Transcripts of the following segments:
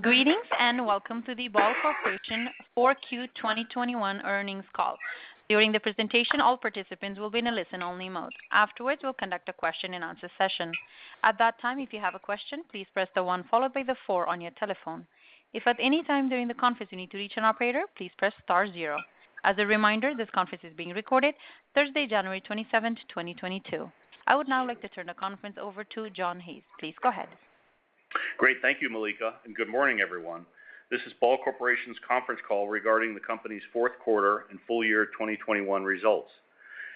Greetings, and welcome to the Ball Corporation 4Q 2021 Earnings Call. During the presentation, all participants will be in a listen-only mode. Afterwards, we'll conduct a question-and-answer session. At that time, if you have a question, please press one followed by four on your telephone. If at any time during the conference you need to reach an operator, please press star 0. As a reminder, this conference is being recorded Thursday, January 27th, 2022. I would now like to turn the conference over to John Hayes. Please go ahead. Great. Thank you, Malika. Good morning, everyone. This is Ball Corporation's conference call regarding the company's fourth quarter and full year 2021 results.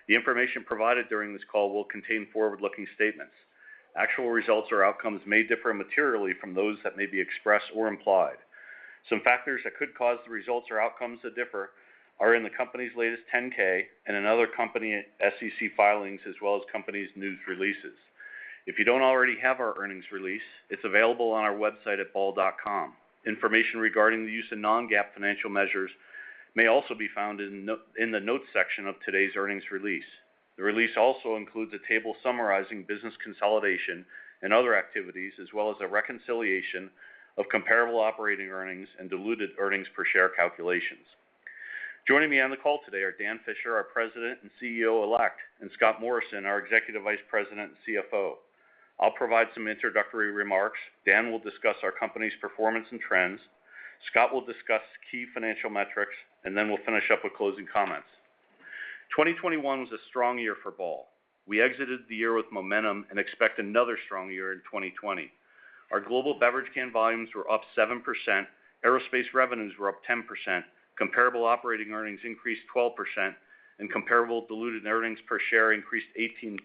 The information provided during this call will contain forward-looking statements. Actual results or outcomes may differ materially from those that may be expressed or implied. Some factors that could cause the results or outcomes to differ are in the company's latest 10-K and in other company SEC filings, as well as company's news releases. If you don't already have our earnings release, it's available on our website at ball.com. Information regarding the use of non-GAAP financial measures may also be found in the notes section of today's earnings release. The release also includes a table summarizing business consolidation and other activities, as well as a reconciliation of comparable operating earnings and diluted earnings per share calculations. Joining me on the call today are Dan Fisher, our President and CEO-elect, and Scott Morrison, our Executive Vice President and CFO. I'll provide some introductory remarks. Dan will discuss our company's performance and trends. Scott will discuss key financial metrics, and then we'll finish up with closing comments. 2021 was a strong year for Ball. We exited the year with momentum and expect another strong year in 2022. Our global beverage can volumes were up 7%. Aerospace revenues were up 10%. Comparable operating earnings increased 12%, and comparable diluted earnings per share increased 18%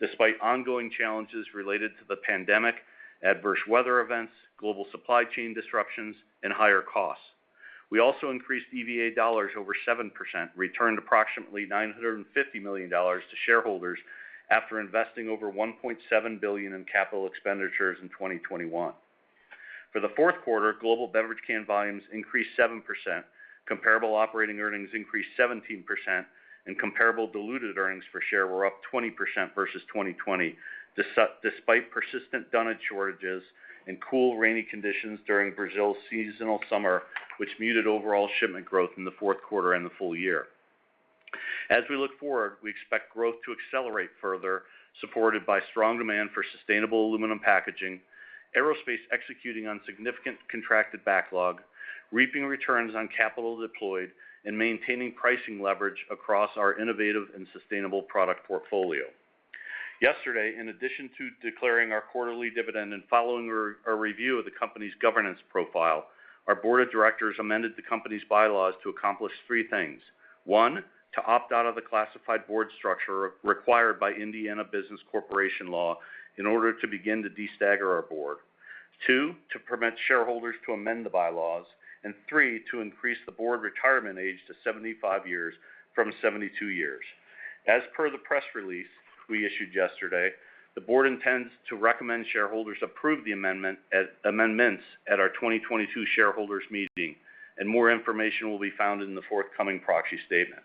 despite ongoing challenges related to the pandemic, adverse weather events, global supply chain disruptions, and higher costs. We also increased EVA dollars over 7%, returned approximately $950 million to shareholders after investing over $1.7 billion in capital expenditures in 2021. For the fourth quarter, global beverage can volumes increased 7%, comparable operating earnings increased 17%, and comparable diluted earnings per share were up 20% versus 2020 despite persistent dunnage shortages and cool rainy conditions during Brazil's seasonal summer, which muted overall shipment growth in the fourth quarter and the full year. As we look forward, we expect growth to accelerate further, supported by strong demand for sustainable aluminum packaging, aerospace executing on significant contracted backlog, reaping returns on capital deployed, and maintaining pricing leverage across our innovative and sustainable product portfolio. Yesterday, in addition to declaring our quarterly dividend and following a review of the company's governance profile, our board of directors amended the company's bylaws to accomplish three things. One, to opt out of the classified board structure required by Indiana Business Corporation Law in order to begin to destagger our board. Two, to permit shareholders to amend the bylaws. Three, to increase the board retirement age to 75 years from 72 years. As per the press release we issued yesterday, the board intends to recommend shareholders approve the amendments at our 2022 Shareholders Meeting, and more information will be found in the forthcoming proxy statement.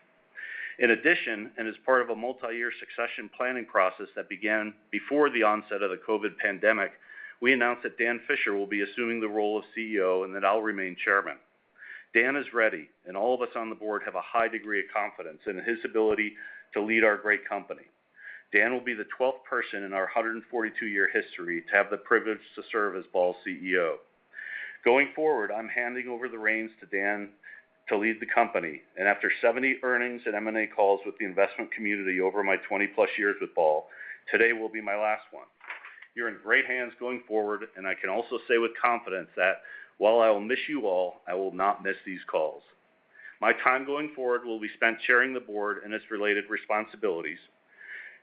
In addition, as part of a multi-year succession planning process that began before the onset of the COVID pandemic, we announced that Dan Fisher will be assuming the role of CEO and that I'll remain Chairman. Dan is ready, and all of us on the board have a high degree of confidence in his ability to lead our great company. Dan will be the 12th person in our 142-year history to have the privilege to serve as Ball's CEO. Going forward, I'm handing over the reins to Dan to lead the company. After 70 earnings and M&A calls with the investment community over my 20+ years with Ball, today will be my last one. You're in great hands going forward, and I can also say with confidence that while I will miss you all, I will not miss these calls. My time going forward will be spent chairing the board and its related responsibilities,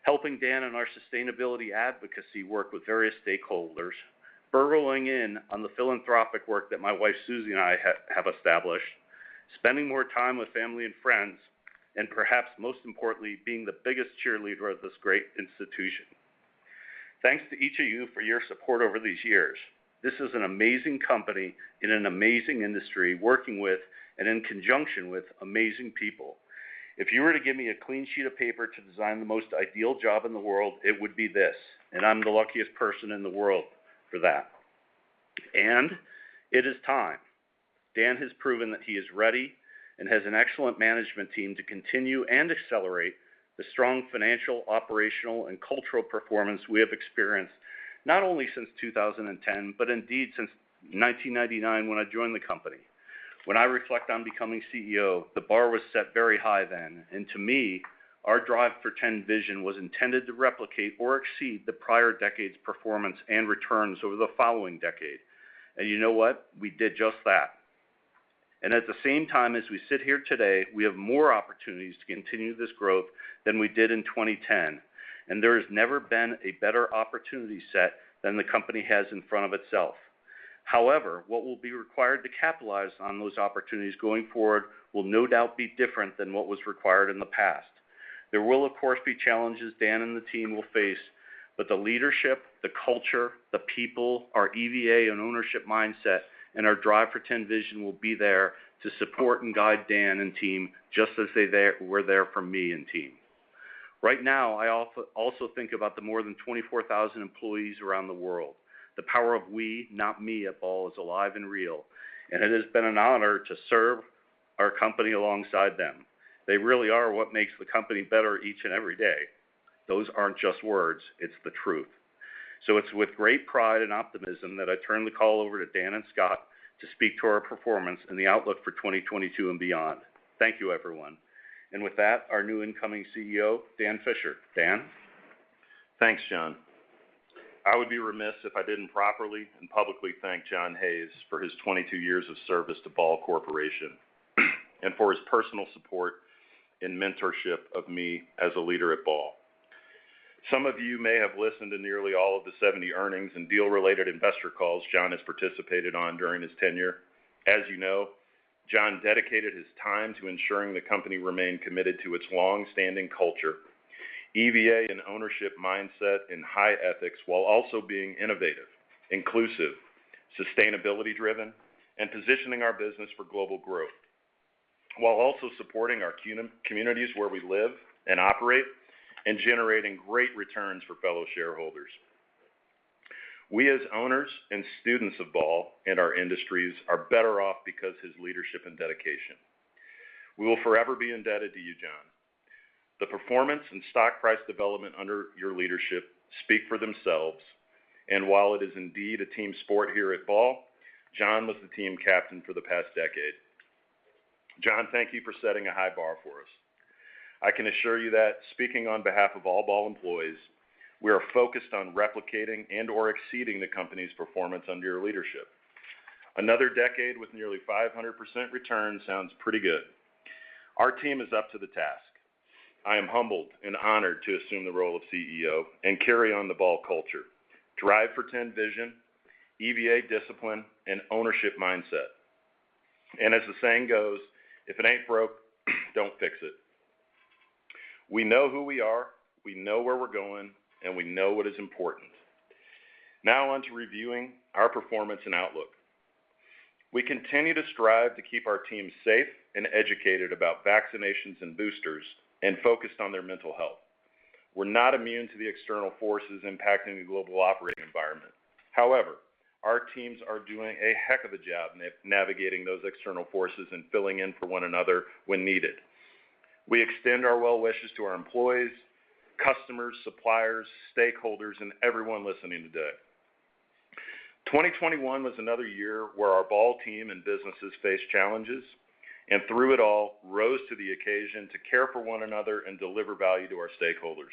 helping Dan in our sustainability advocacy work with various stakeholders, burrowing in on the philanthropic work that my wife Susie and I have established, spending more time with family and friends, and perhaps most importantly, being the biggest cheerleader of this great institution. Thanks to each of you for your support over these years. This is an amazing company in an amazing industry, working with and in conjunction with amazing people. If you were to give me a clean sheet of paper to design the most ideal job in the world, it would be this, and I'm the luckiest person in the world for that. It is time. Dan has proven that he is ready and has an excellent management team to continue and accelerate the strong financial, operational, and cultural performance we have experienced not only since 2010, but indeed since 1999, when I joined the company. When I reflect on becoming CEO, the bar was set very high then, and to me, our Drive for 10 vision was intended to replicate or exceed the prior decades' performance and returns over the following decade. You know what? We did just that. At the same time, as we sit here today, we have more opportunities to continue this growth than we did in 2010, and there has never been a better opportunity set than the company has in front of itself. However, what will be required to capitalize on those opportunities going forward will no doubt be different than what was required in the past. There will, of course, be challenges Dan and the team will face, but the leadership, the culture, the people, our EVA and ownership mindset, and our Drive for 10 vision will be there to support and guide Dan and team, just as they were there for me and team. Right now, I also think about the more than 24,000 employees around the world. The power of we, not me, at Ball is alive and real, and it has been an honor to serve our company alongside them. They really are what makes the company better each and every day. Those aren't just words, it's the truth. It's with great pride and optimism that I turn the call over to Dan and Scott to speak to our performance and the outlook for 2022 and beyond. Thank you, everyone. With that, our new incoming CEO, Dan Fisher. Dan? Thanks, John. I would be remiss if I didn't properly and publicly thank John Hayes for his 22 years of service to Ball Corporation, and for his personal support and mentorship of me as a leader at Ball. Some of you may have listened to nearly all of the 70 earnings and deal-related investor calls John has participated on during his tenure. As you know, John dedicated his time to ensuring the company remained committed to its long-standing culture, EVA and ownership mindset, and high ethics, while also being innovative, inclusive, sustainability-driven, and positioning our business for global growth, while also supporting our communities where we live and operate, and generating great returns for fellow shareholders. We, as owners and students of Ball and our industries, are better off because his leadership and dedication. We will forever be indebted to you, John. The performance and stock price development under your leadership speak for themselves. While it is indeed a team sport here at Ball, John was the team captain for the past decade. John, thank you for setting a high bar for us. I can assure you that speaking on behalf of all Ball employees, we are focused on replicating and/or exceeding the company's performance under your leadership. Another decade with nearly 500% return sounds pretty good. Our team is up to the task. I am humbled and honored to assume the role of CEO and carry on the Ball culture, Drive for 10 vision, EVA discipline, and ownership mindset. As the saying goes, if it ain't broke, don't fix it. We know who we are, we know where we're going, and we know what is important. Now on to reviewing our performance and outlook. We continue to strive to keep our team safe and educated about vaccinations and boosters, and focused on their mental health. We're not immune to the external forces impacting the global operating environment. However, our teams are doing a heck of a job navigating those external forces and filling in for one another when needed. We extend our well wishes to our employees, customers, suppliers, stakeholders, and everyone listening today. 2021 was another year where our Ball team and businesses faced challenges, and through it all, rose to the occasion to care for one another and deliver value to our stakeholders.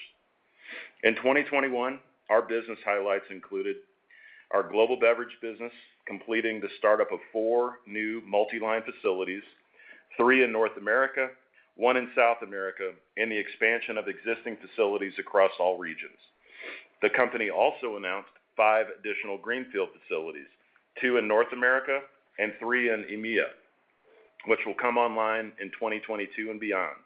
In 2021, our business highlights included our global beverage business completing the startup of four new multi-line facilities, three in North America, one in South America, and the expansion of existing facilities across all regions. The company also announced five additional greenfield facilities, two in North America and three in EMEA, which will come online in 2022 and beyond.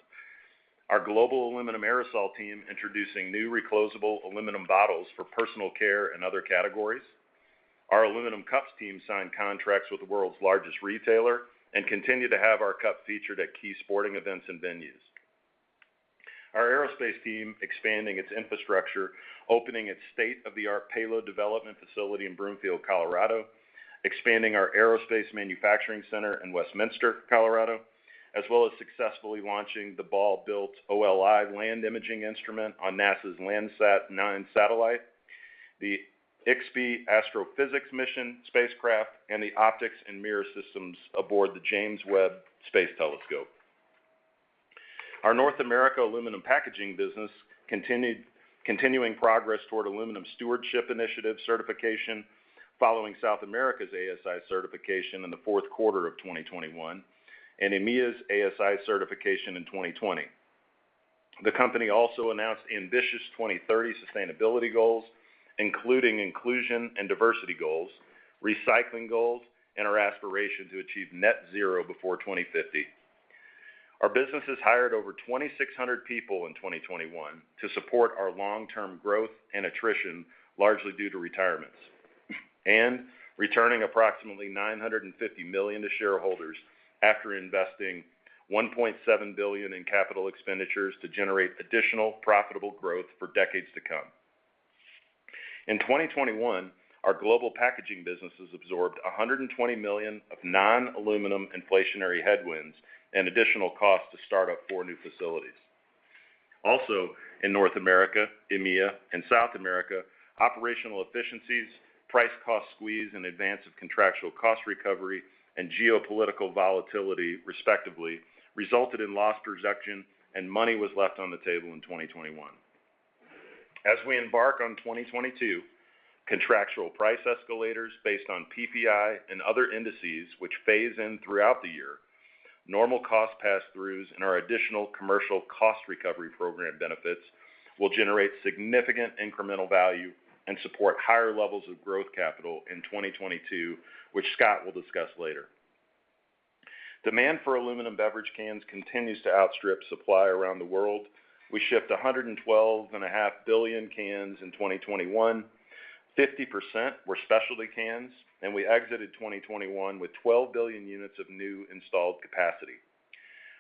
Our global Aluminum Aerosol team introducing new reclosable aluminum bottles for personal care and other categories. Our aluminum cups team signed contracts with the world's largest retailer and continue to have our cup featured at key sporting events and venues. Our aerospace team expanding its infrastructure, opening its state-of-the-art payload development facility in Broomfield, Colorado, expanding our aerospace manufacturing center in Westminster, Colorado, as well as successfully launching the Ball-built OLI Land Imaging instrument on NASA's Landsat 9 satellite, the IXPE astrophysics mission spacecraft, and the optics and mirror systems aboard the James Webb Space Telescope. Our North America aluminum packaging business continuing progress toward Aluminium Stewardship Initiative certification following South America's ASI certification in the fourth quarter of 2021, and EMEA's ASI certification in 2020. The company also announced ambitious 2030 sustainability goals, including inclusion and diversity goals, recycling goals, and our aspiration to achieve net zero before 2050. Our businesses hired over 2,600 people in 2021 to support our long-term growth and attrition, largely due to retirements. Returning approximately $950 million to shareholders after investing $1.7 billion in capital expenditures to generate additional profitable growth for decades to come. In 2021, our global packaging businesses absorbed $120 million of non-aluminum inflationary headwinds and additional costs to start up four new facilities. Also, in North America, EMEA, and South America, operational efficiencies, price cost squeeze in advance of contractual cost recovery, and geopolitical volatility respectively resulted in lost production and money was left on the table in 2021. As we embark on 2022, contractual price escalators based on PPI and other indices which phase in throughout the year, normal cost passthroughs and our additional commercial cost recovery program benefits will generate significant incremental value and support higher levels of growth capital in 2022, which Scott will discuss later. Demand for aluminum beverage cans continues to outstrip supply around the world. We shipped 112.5 billion cans in 2021. 50% were specialty cans, and we exited 2021 with 12 billion units of new installed capacity.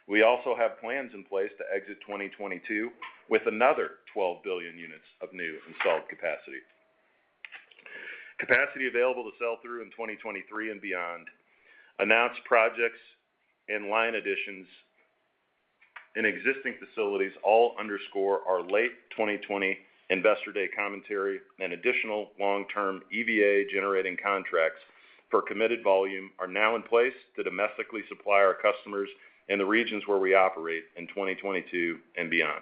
We also have plans in place to exit 2022 with another 12 billion units of new installed capacity available to sell through in 2023 and beyond. Announced projects and line additions in existing facilities all underscore our late 2020 Investor Day commentary and additional long-term EVA generating contracts for committed volume are now in place to domestically supply our customers in the regions where we operate in 2022 and beyond.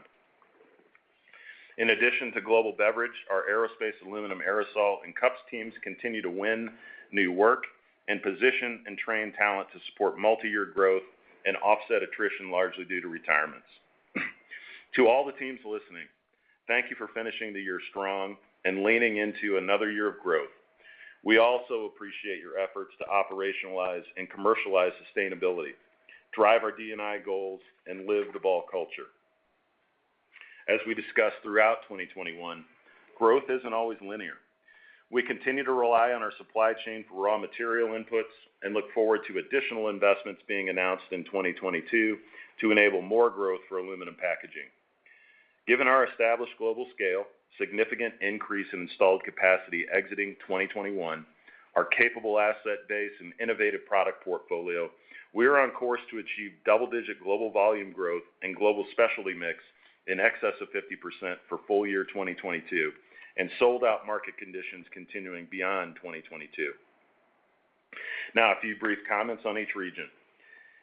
In addition to global beverage, our aerospace, Aluminum Aerosol and cups teams continue to win new work and position and train talent to support multi-year growth and offset attrition largely due to retirements. To all the teams listening, thank you for finishing the year strong and leaning into another year of growth. We also appreciate your efforts to operationalize and commercialize sustainability, drive our D&I goals, and live the Ball culture. As we discussed throughout 2021, growth isn't always linear. We continue to rely on our supply chain for raw material inputs and look forward to additional investments being announced in 2022 to enable more growth for aluminum packaging. Given our established global scale, significant increase in installed capacity exiting 2021, our capable asset base and innovative product portfolio, we are on course to achieve double-digit global volume growth and global specialty mix in excess of 50% for full year 2022, and sold out market conditions continuing beyond 2022. Now a few brief comments on each region.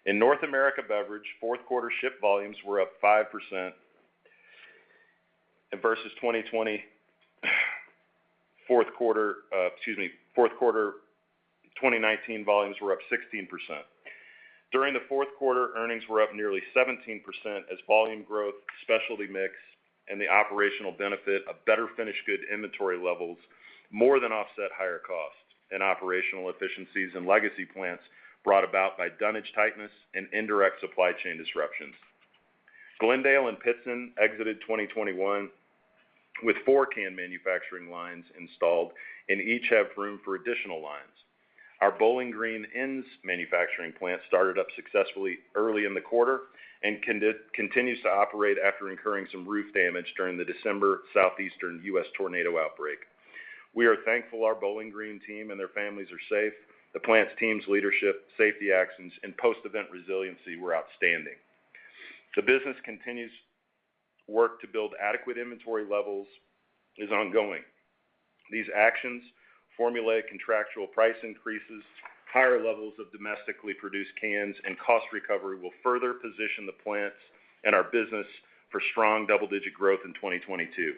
In North America beverage, fourth quarter ship volumes were up 5% versus 2020 fourth quarter. Fourth quarter 2019 volumes were up 16%. During the fourth quarter, earnings were up nearly 17% as volume growth, specialty mix, and the operational benefit of better finished good inventory levels more than offset higher costs and operational efficiencies in legacy plants brought about by dunnage tightness and indirect supply chain disruptions. Glendale and Pittston exited 2021 with four can manufacturing lines installed and each have room for additional lines. Our Bowling Green ends manufacturing plant started up successfully early in the quarter and continues to operate after incurring some roof damage during the December Southeastern U.S. tornado outbreak. We are thankful our Bowling Green team and their families are safe. The plant team's leadership, safety actions, and post-event resiliency were outstanding. The business continues to work to build adequate inventory levels, which is ongoing. These actions formulate contractual price increases, higher levels of domestically produced cans, and cost recovery will further position the plants and our business for strong double-digit growth in 2022.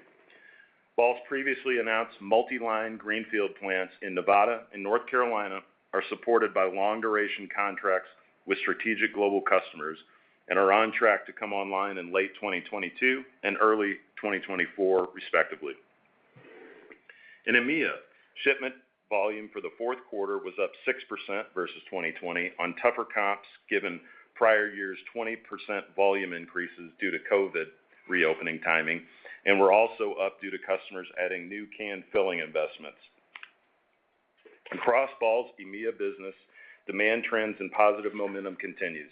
Ball's previously announced multi-line greenfield plants in Nevada and North Carolina are supported by long duration contracts with strategic global customers and are on track to come online in late 2022 and early 2024, respectively. In EMEA, shipment volume for the fourth quarter was up 6% versus 2020 on tougher comps given prior year's 20% volume increases due to COVID reopening timing and were also up due to customers adding new can filling investments. Across Ball's EMEA business, demand trends and positive momentum continues.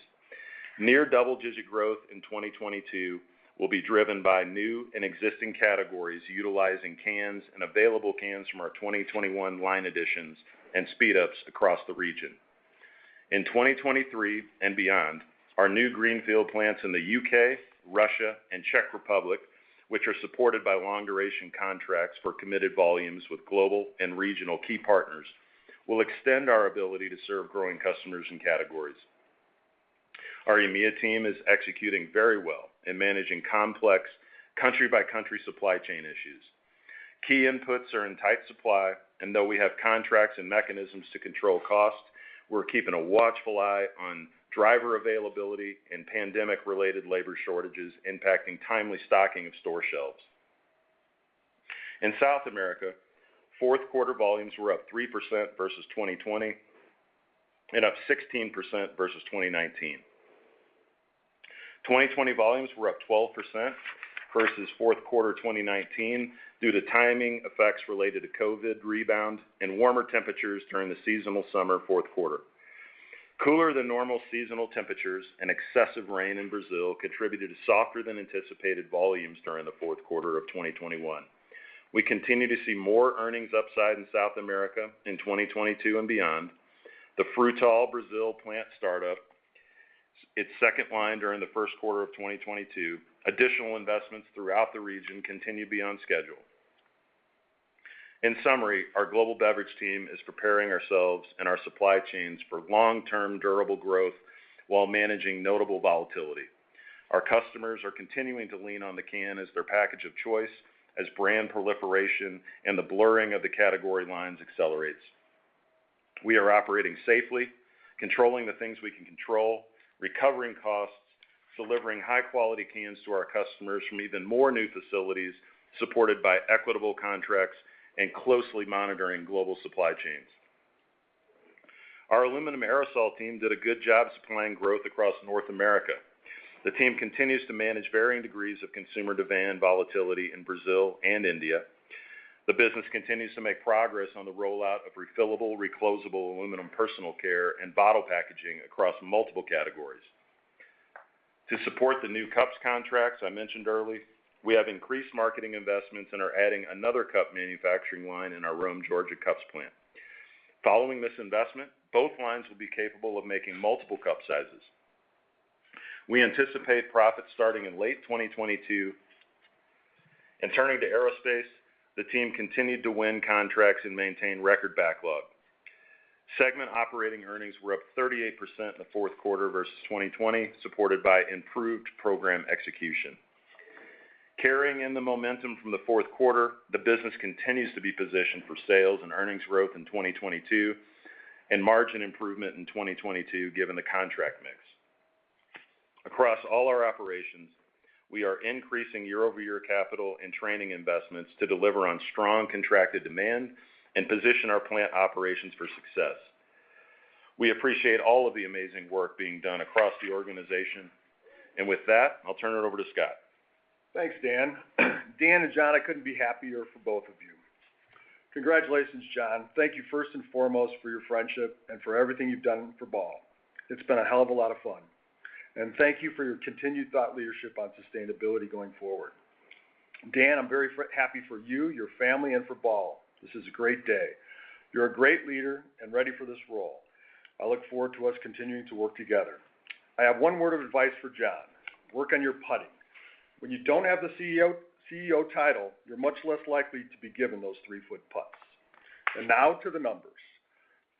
Near double-digit growth in 2022 will be driven by new and existing categories utilizing cans and available cans from our 2021 line additions and speedups across the region. In 2023 and beyond, our new greenfield plants in the U.K., Russia, and Czech Republic, which are supported by long duration contracts for committed volumes with global and regional key partners, will extend our ability to serve growing customers and categories. Our EMEA team is executing very well in managing complex country by country supply chain issues. Key inputs are in tight supply, and though we have contracts and mechanisms to control cost, we're keeping a watchful eye on driver availability and pandemic-related labor shortages impacting timely stocking of store shelves. In South America, fourth quarter volumes were up 3% versus 2020 and up 16% versus 2019. 2020 volumes were up 12% versus fourth quarter 2019 due to timing effects related to COVID rebound and warmer temperatures during the seasonal summer fourth quarter. Cooler than normal seasonal temperatures and excessive rain in Brazil contributed to softer than anticipated volumes during the fourth quarter of 2021. We continue to see more earnings upside in South America in 2022 and beyond. The Frutal, Brazil plant starts up its second line during the first quarter of 2022. Additional investments throughout the region continue to be on schedule. In summary, our global beverage team is preparing ourselves and our supply chains for long-term durable growth while managing notable volatility. Our customers are continuing to lean on the can as their package of choice as brand proliferation and the blurring of the category lines accelerates. We are operating safely, controlling the things we can control, recovering costs, delivering high quality cans to our customers from even more new facilities supported by equitable contracts and closely monitoring global supply chains. Our Aluminum Aerosol team did a good job supplying growth across North America. The team continues to manage varying degrees of consumer demand volatility in Brazil and India. The business continues to make progress on the rollout of refillable, recloseable aluminum personal care and bottle packaging across multiple categories. To support the new cups contracts I mentioned early, we have increased marketing investments and are adding another cup manufacturing line in our Rome, Georgia, cups plant. Following this investment, both lines will be capable of making multiple cup sizes. We anticipate profits starting in late 2022. Turning to aerospace, the team continued to win contracts and maintain record backlog. Segment operating earnings were up 38% in the fourth quarter versus 2020, supported by improved program execution. Carrying in the momentum from the fourth quarter, the business continues to be positioned for sales and earnings growth in 2022 and margin improvement in 2022, given the contract mix. Across all our operations, we are increasing year-over-year capital and training investments to deliver on strong contracted demand and position our plant operations for success. We appreciate all of the amazing work being done across the organization. With that, I'll turn it over to Scott. Thanks, Dan. Dan and John, I couldn't be happier for both of you. Congratulations, John. Thank you first and foremost for your friendship and for everything you've done for Ball. It's been a hell of a lot of fun. Thank you for your continued thought leadership on sustainability going forward. Dan, I'm very happy for you, your family, and for Ball. This is a great day. You're a great leader and ready for this role. I look forward to us continuing to work together. I have one word of advice for John: Work on your putting. When you don't have the CEO title, you're much less likely to be given those three-foot putts. Now to the numbers.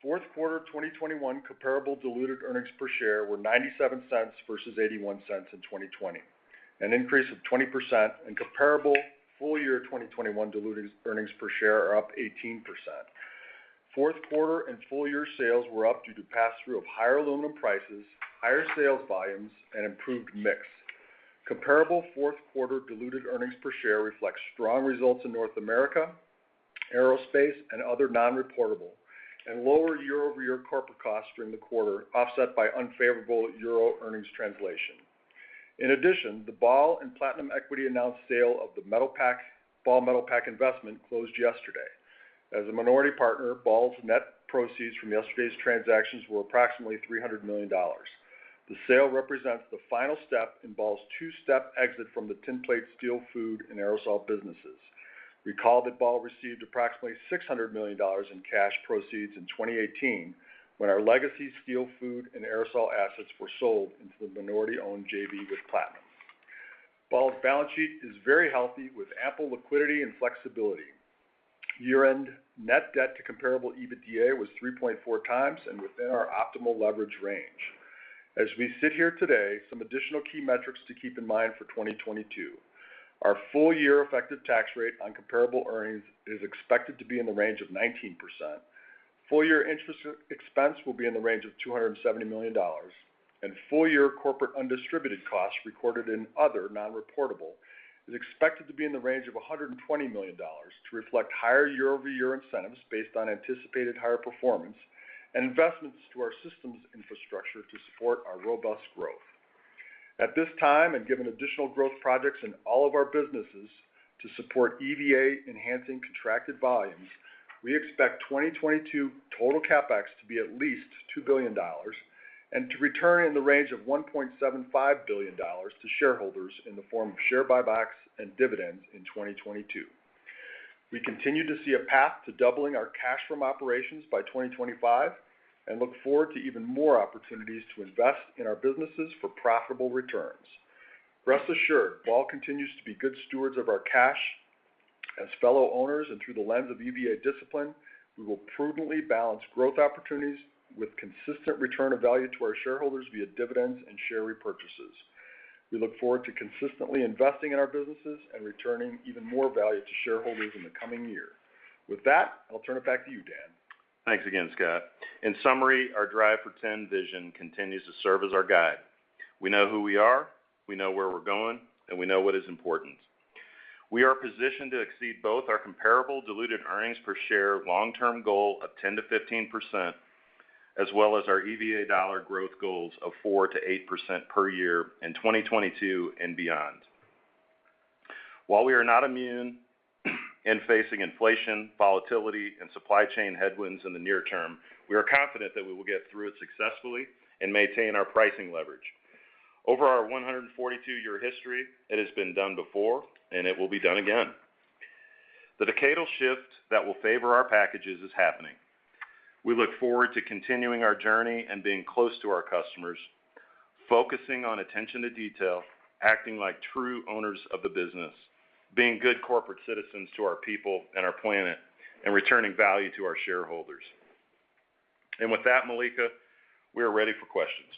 Fourth quarter 2021 comparable diluted earnings per share were $0.97 versus $0.81 in 2020, an increase of 20% and comparable full year 2021 diluted earnings per share are up 18%. Fourth quarter and full year sales were up due to pass-through of higher aluminum prices, higher sales volumes, and improved mix. Comparable fourth quarter diluted earnings per share reflects strong results in North America, aerospace, and other non-reportable, and lower year-over-year corporate costs during the quarter, offset by unfavorable euro earnings translation. In addition, the Ball and Platinum Equity announced sale of the Ball Metalpack investment closed yesterday. As a minority partner, Ball's net proceeds from yesterday's transactions were approximately $300 million. The sale represents the final step in Ball's two-step exit from the tinplate steel food and aerosol businesses. Recall that Ball received approximately $600 million in cash proceeds in 2018 when our legacy steel food and aerosol assets were sold into the minority-owned JV with Platinum. Ball's balance sheet is very healthy with ample liquidity and flexibility. Year-end net debt to comparable EBITDA was 3.4x and within our optimal leverage range. As we sit here today, some additional key metrics to keep in mind for 2022. Our full year effective tax rate on comparable earnings is expected to be in the range of 19%. Full year interest expense will be in the range of $270 million, and full year corporate undistributed costs recorded in other non-reportable is expected to be in the range of $120 million to reflect higher year-over-year incentives based on anticipated higher performance and investments to our systems infrastructure to support our robust growth. At this time, and given additional growth projects in all of our businesses to support EVA enhancing contracted volumes, we expect 2022 total CapEx to be at least $2 billion and to return in the range of $1.75 billion to shareholders in the form of share buybacks and dividends in 2022. We continue to see a path to doubling our cash from operations by 2025 and look forward to even more opportunities to invest in our businesses for profitable returns. Rest assured, Ball continues to be good stewards of our cash. As fellow owners and through the lens of EVA discipline, we will prudently balance growth opportunities with consistent return of value to our shareholders via dividends and share repurchases. We look forward to consistently investing in our businesses and returning even more value to shareholders in the coming year. With that, I'll turn it back to you, Dan. Thanks again, Scott. In summary, our Drive for 10 vision continues to serve as our guide. We know who we are, we know where we're going, and we know what is important. We are positioned to exceed both our comparable diluted earnings per share long-term goal of 10%-15%, as well as our EVA dollar growth goals of 4%-8% per year in 2022 and beyond. While we are not immune in facing inflation, volatility, and supply chain headwinds in the near term, we are confident that we will get through it successfully and maintain our pricing leverage. Over our 142-year history it has been done before and it will be done again. The decadal shift that will favor our packages is happening. We look forward to continuing our journey and being close to our customers, focusing on attention to detail, acting like true owners of the business, being good corporate citizens to our people and our planet, and returning value to our shareholders. With that, Malika, we are ready for questions.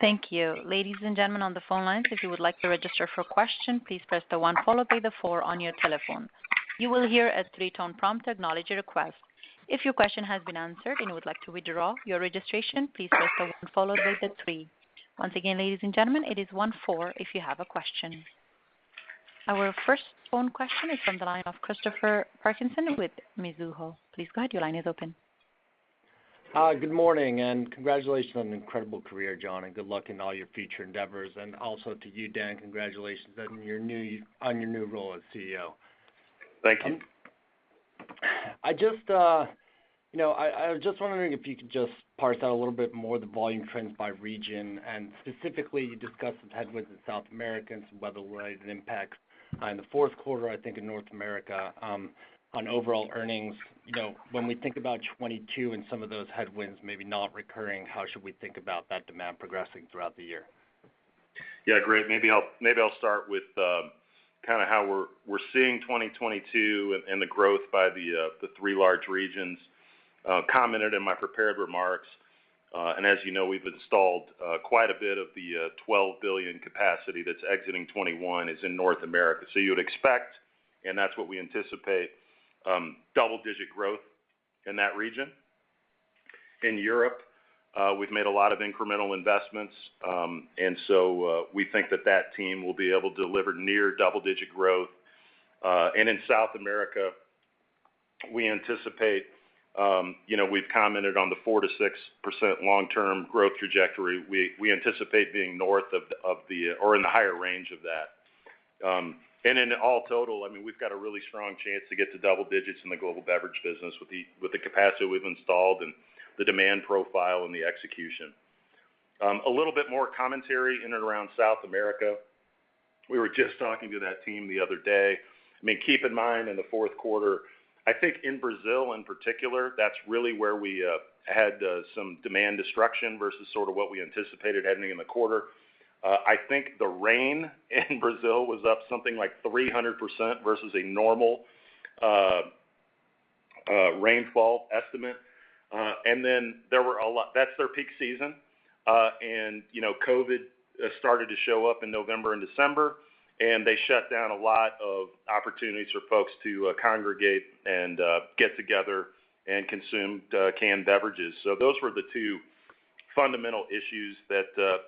Thank you. Ladies and gentlemen on the phone lines, if you would like to register for a question, please press the one followed by the four on your telephone. You will hear a three-tone prompt acknowledge your request. If your question has been answered and you would like to withdraw your registration, please press the one followed by the three. Once again, ladies and gentlemen, it is one four if you have a question. Our first phone question is from the line of Christopher Parkinson with Mizuho. Please go ahead. Your line is open. Hi, good morning, and congratulations on an incredible career, John, and good luck in all your future endeavors. Also to you, Dan, congratulations on your new role as CEO. Thank you. I was just wondering if you could just parse out a little bit more the volume trends by region. Specifically, you discussed some headwinds in South America and some weather-related impacts in the fourth quarter, I think in North America, on overall earnings. When we think about 2022 and some of those headwinds maybe not recurring, how should we think about that demand progressing throughout the year? Yeah, great. Maybe I'll start with how we're seeing 2022 and the growth by the three large regions. As I commented in my prepared remarks, and as you know, we've installed quite a bit of the 12 billion capacity that's exiting 2021 is in North America. You would expect, and that's what we anticipate, double-digit growth in that region. In Europe, we've made a lot of incremental investments. We think that team will be able to deliver near double-digit growth. In South America, we anticipate, you know, we've commented on the 4%-6% long-term growth trajectory. We anticipate being north of or in the higher range of that. In all total, I mean, we've got a really strong chance to get to double digits in the global beverage business with the capacity we've installed and the demand profile and the execution. A little bit more commentary in and around South America. We were just talking to that team the other day. I mean, keep in mind, in the fourth quarter, I think in Brazil in particular, that's really where we had some demand destruction versus sort of what we anticipated happening in the quarter. I think the rain in Brazil was up something like 300% versus a normal rainfall estimate. That's their peak season. You know, COVID has started to show up in November and December, and they shut down a lot of opportunities for folks to congregate and get together and consume canned beverages. Those were the two fundamental issues that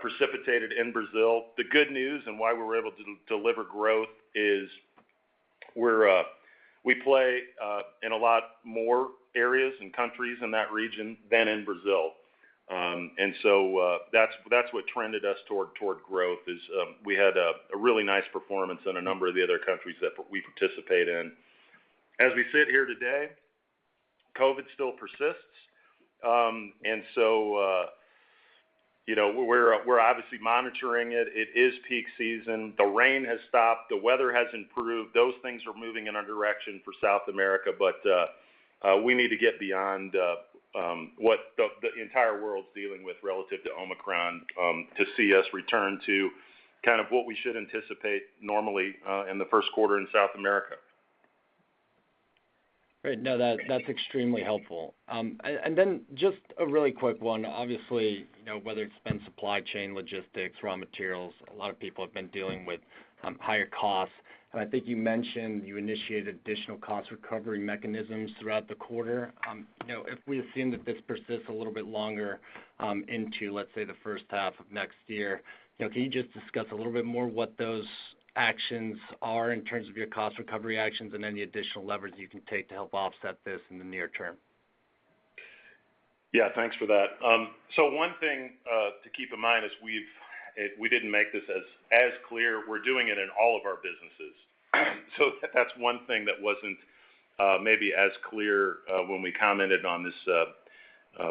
precipitated in Brazil. The good news and why we were able to deliver growth is we're, we play in a lot more areas and countries in that region than in Brazil. That's what trended us toward growth, is we had a really nice performance in a number of the other countries that we participate in. As we sit here today, COVID still persists. You know, we're obviously monitoring it. It is peak season. The rain has stopped. The weather has improved. Those things are moving in our direction for South America. We need to get beyond what the entire world's dealing with relative to Omicron, to see us return to kind of what we should anticipate normally, in the first quarter in South America. Great. No, that's extremely helpful. And then just a really quick one. Obviously, you know, whether it's been supply chain, logistics, raw materials, a lot of people have been dealing with higher costs. I think you mentioned you initiated additional cost recovery mechanisms throughout the quarter. You know, if we assume that this persists a little bit longer into, let's say, the first half of next year, you know, can you just discuss a little bit more what those actions are in terms of your cost recovery actions and any additional leverage you can take to help offset this in the near term? Yeah, thanks for that. One thing to keep in mind is we didn't make this as clear. We're doing it in all of our businesses. That's one thing that wasn't maybe as clear when we commented on this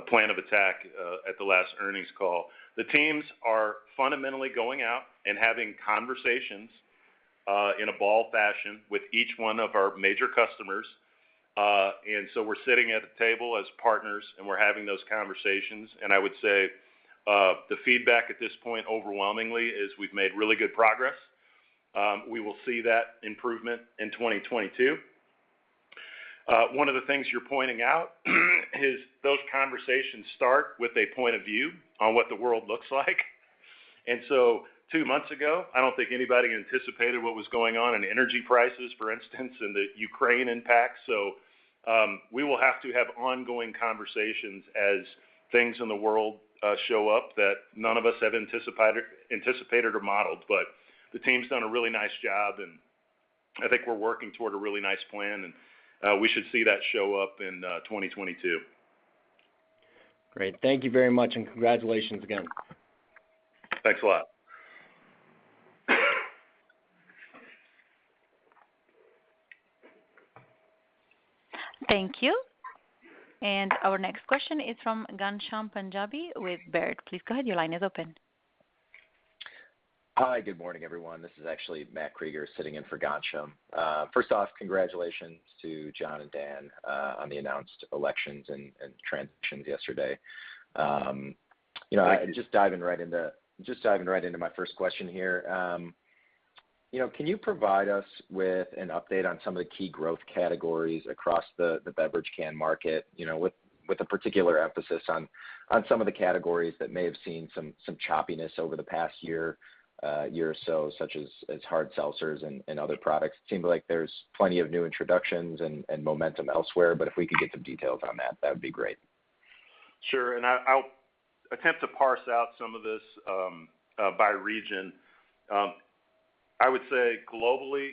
plan of attack at the last earnings call. The teams are fundamentally going out and having conversations in a Ball fashion with each one of our major customers. We're sitting at a table as partners, and we're having those conversations. I would say the feedback at this point overwhelmingly is we've made really good progress. We will see that improvement in 2022. One of the things you're pointing out is those conversations start with a point of view on what the world looks like. Two months ago, I don't think anybody anticipated what was going on in energy prices, for instance, and the Ukraine impact. We will have to have ongoing conversations as things in the world show up that none of us have anticipated or modeled. The team's done a really nice job, and I think we're working toward a really nice plan, and we should see that show up in 2022. Great. Thank you very much, and congratulations again. Thanks a lot. Thank you. Our next question is from Ghansham Panjabi with Baird. Please go ahead. Your line is open. Hi, good morning, everyone. This is actually Matt Krueger sitting in for Ghansham. First off, congratulations to John and Dan on the announced elections and transitions yesterday. You know, just diving right into my first question here. You know, can you provide us with an update on some of the key growth categories across the beverage can market? You know, with a particular emphasis on some of the categories that may have seen some choppiness over the past year or so, such as hard seltzers and other products. It seemed like there's plenty of new introductions and momentum elsewhere, but if we could get some details on that would be great. Sure. I'll attempt to parse out some of this by region. I would say globally,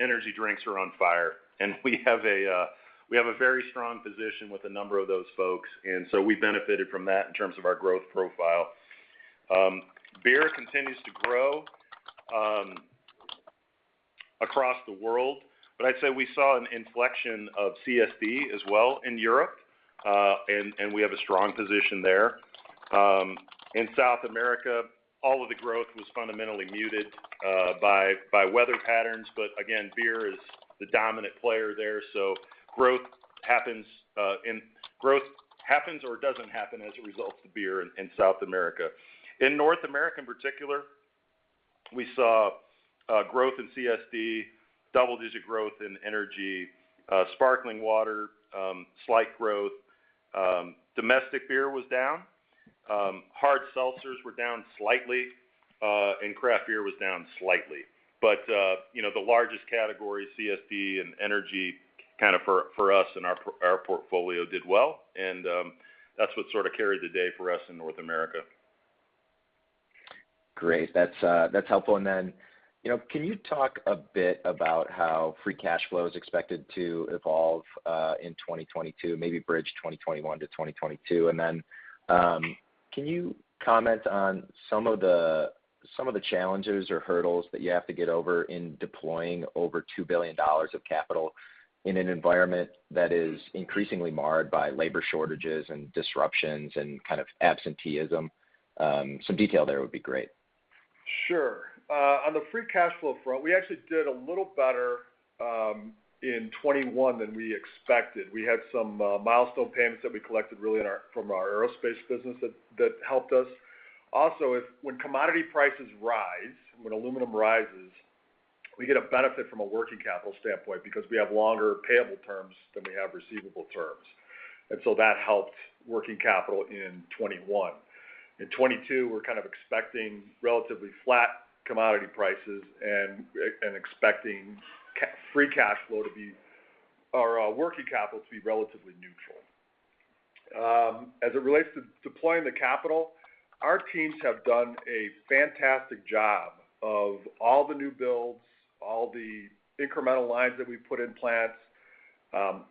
energy drinks are on fire, and we have a very strong position with a number of those folks, and so we benefited from that in terms of our growth profile. Beer continues to grow across the world. I'd say we saw an inflection of CSD as well in Europe, and we have a strong position there. In South America, all of the growth was fundamentally muted by weather patterns. Again, beer is the dominant player there, so growth happens or doesn't happen as a result of beer in South America. In North America, in particular, we saw growth in CSD, double-digit growth in energy, sparkling water, slight growth. Domestic beer was down. Hard seltzers were down slightly, and craft beer was down slightly. You know, the largest category, CSD and energy kind of for us and our portfolio did well, and that's what sort of carried the day for us in North America. Great. That's helpful. You know, can you talk a bit about how free cash flow is expected to evolve in 2022, maybe bridge 2021 to 2022? Can you comment on some of the challenges or hurdles that you have to get over in deploying over $2 billion of capital in an environment that is increasingly marred by labor shortages and disruptions and kind of absenteeism? Some detail there would be great. Sure. On the free cash flow front, we actually did a little better in 2021 than we expected. We had some milestone payments that we collected really from our aerospace business that helped us. Also when commodity prices rise, when aluminum rises, we get a benefit from a working capital standpoint because we have longer payable terms than we have receivable terms. That helped working capital in 2021. In 2022, we're kind of expecting relatively flat commodity prices and expecting free cash flow to be or working capital to be relatively neutral. As it relates to deploying the capital, our teams have done a fantastic job of all the new builds, all the incremental lines that we put in plants on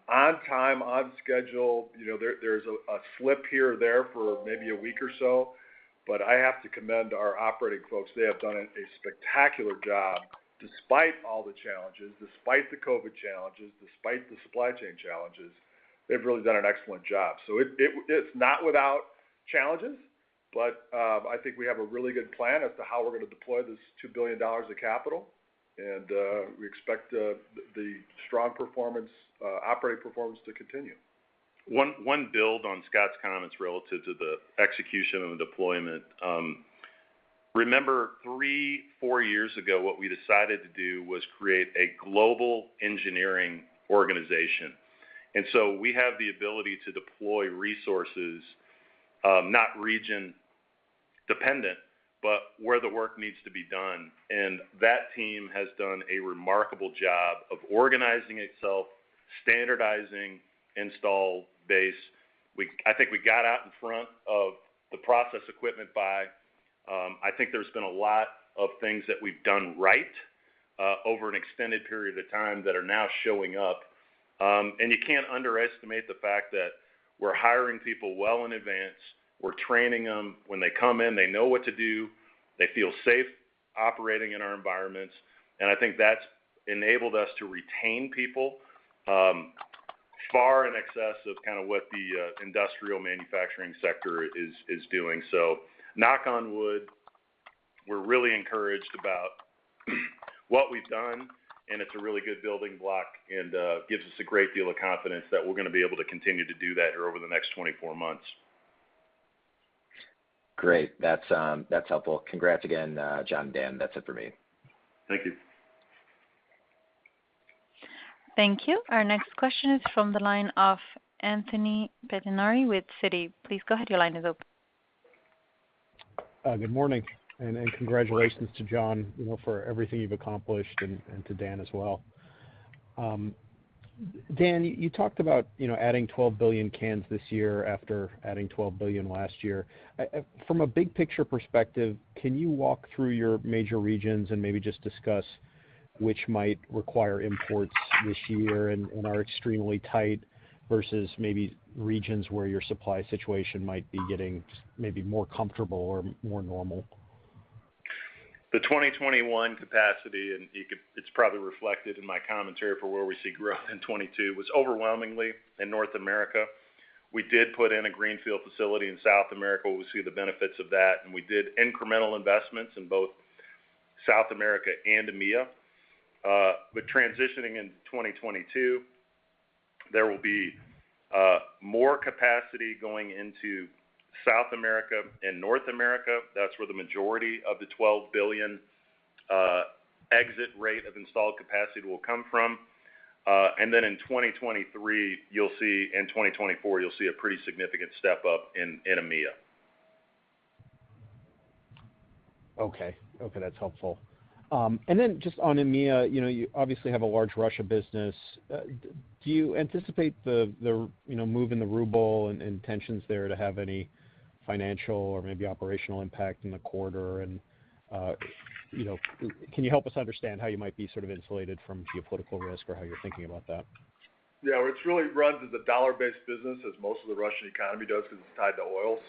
time, on schedule. You know, there's a slip here or there for maybe a week or so, but I have to commend our operating folks. They have done a spectacular job despite all the challenges, despite the COVID challenges, despite the supply chain challenges. They've really done an excellent job. It's not without challenges, but I think we have a really good plan as to how we're gonna deploy this $2 billion of capital. We expect the strong performance, operating performance to continue. I'll build on Scott's comments relative to the execution and the deployment. Remember three or four years ago, what we decided to do was create a global engineering organization. We have the ability to deploy resources, not region dependent, but where the work needs to be done. That team has done a remarkable job of organizing itself, standardizing installed base. I think we got out in front of the process equipment. I think there's been a lot of things that we've done right over an extended period of time that are now showing up. You can't underestimate the fact that we're hiring people well in advance. We're training them. When they come in, they know what to do. They feel safe operating in our environments. I think that's enabled us to retain people far in excess of kind of what the industrial manufacturing sector is doing. Knock on wood, we're really encouraged about what we've done, and it's a really good building block and gives us a great deal of confidence that we're gonna be able to continue to do that here over the next 24 months. Great. That's helpful. Congrats again, John and Dan. That's it for me. Thank you. Thank you. Our next question is from the line of Anthony Pettinari with Citi. Please go ahead, your line is open. Good morning. Congratulations to John, you know, for everything you've accomplished, and to Dan as well. Dan, you talked about, you know, adding 12 billion cans this year after adding 12 billion last year. From a big picture perspective, can you walk through your major regions and maybe just discuss which might require imports this year and are extremely tight versus maybe regions where your supply situation might be getting maybe more comfortable or more normal? The 2021 capacity, it's probably reflected in my commentary for where we see growth in 2022, was overwhelmingly in North America. We did put in a greenfield facility in South America. We'll see the benefits of that, and we did incremental investments in both South America and EMEA. Transitioning into 2022, there will be more capacity going into South America and North America. That's where the majority of the 12 billion exit rate of installed capacity will come from. In 2023 and 2024, you'll see a pretty significant step up in EMEA. Okay. Okay, that's helpful. Then just on EMEA, you know, you obviously have a large Russia business. Do you anticipate the, you know, move in the ruble and intentions there to have any financial or maybe operational impact in the quarter? You know, can you help us understand how you might be sort of insulated from geopolitical risk or how you're thinking about that? Yeah. It really runs as a dollar-based business as most of the Russian economy does because it's tied to oil.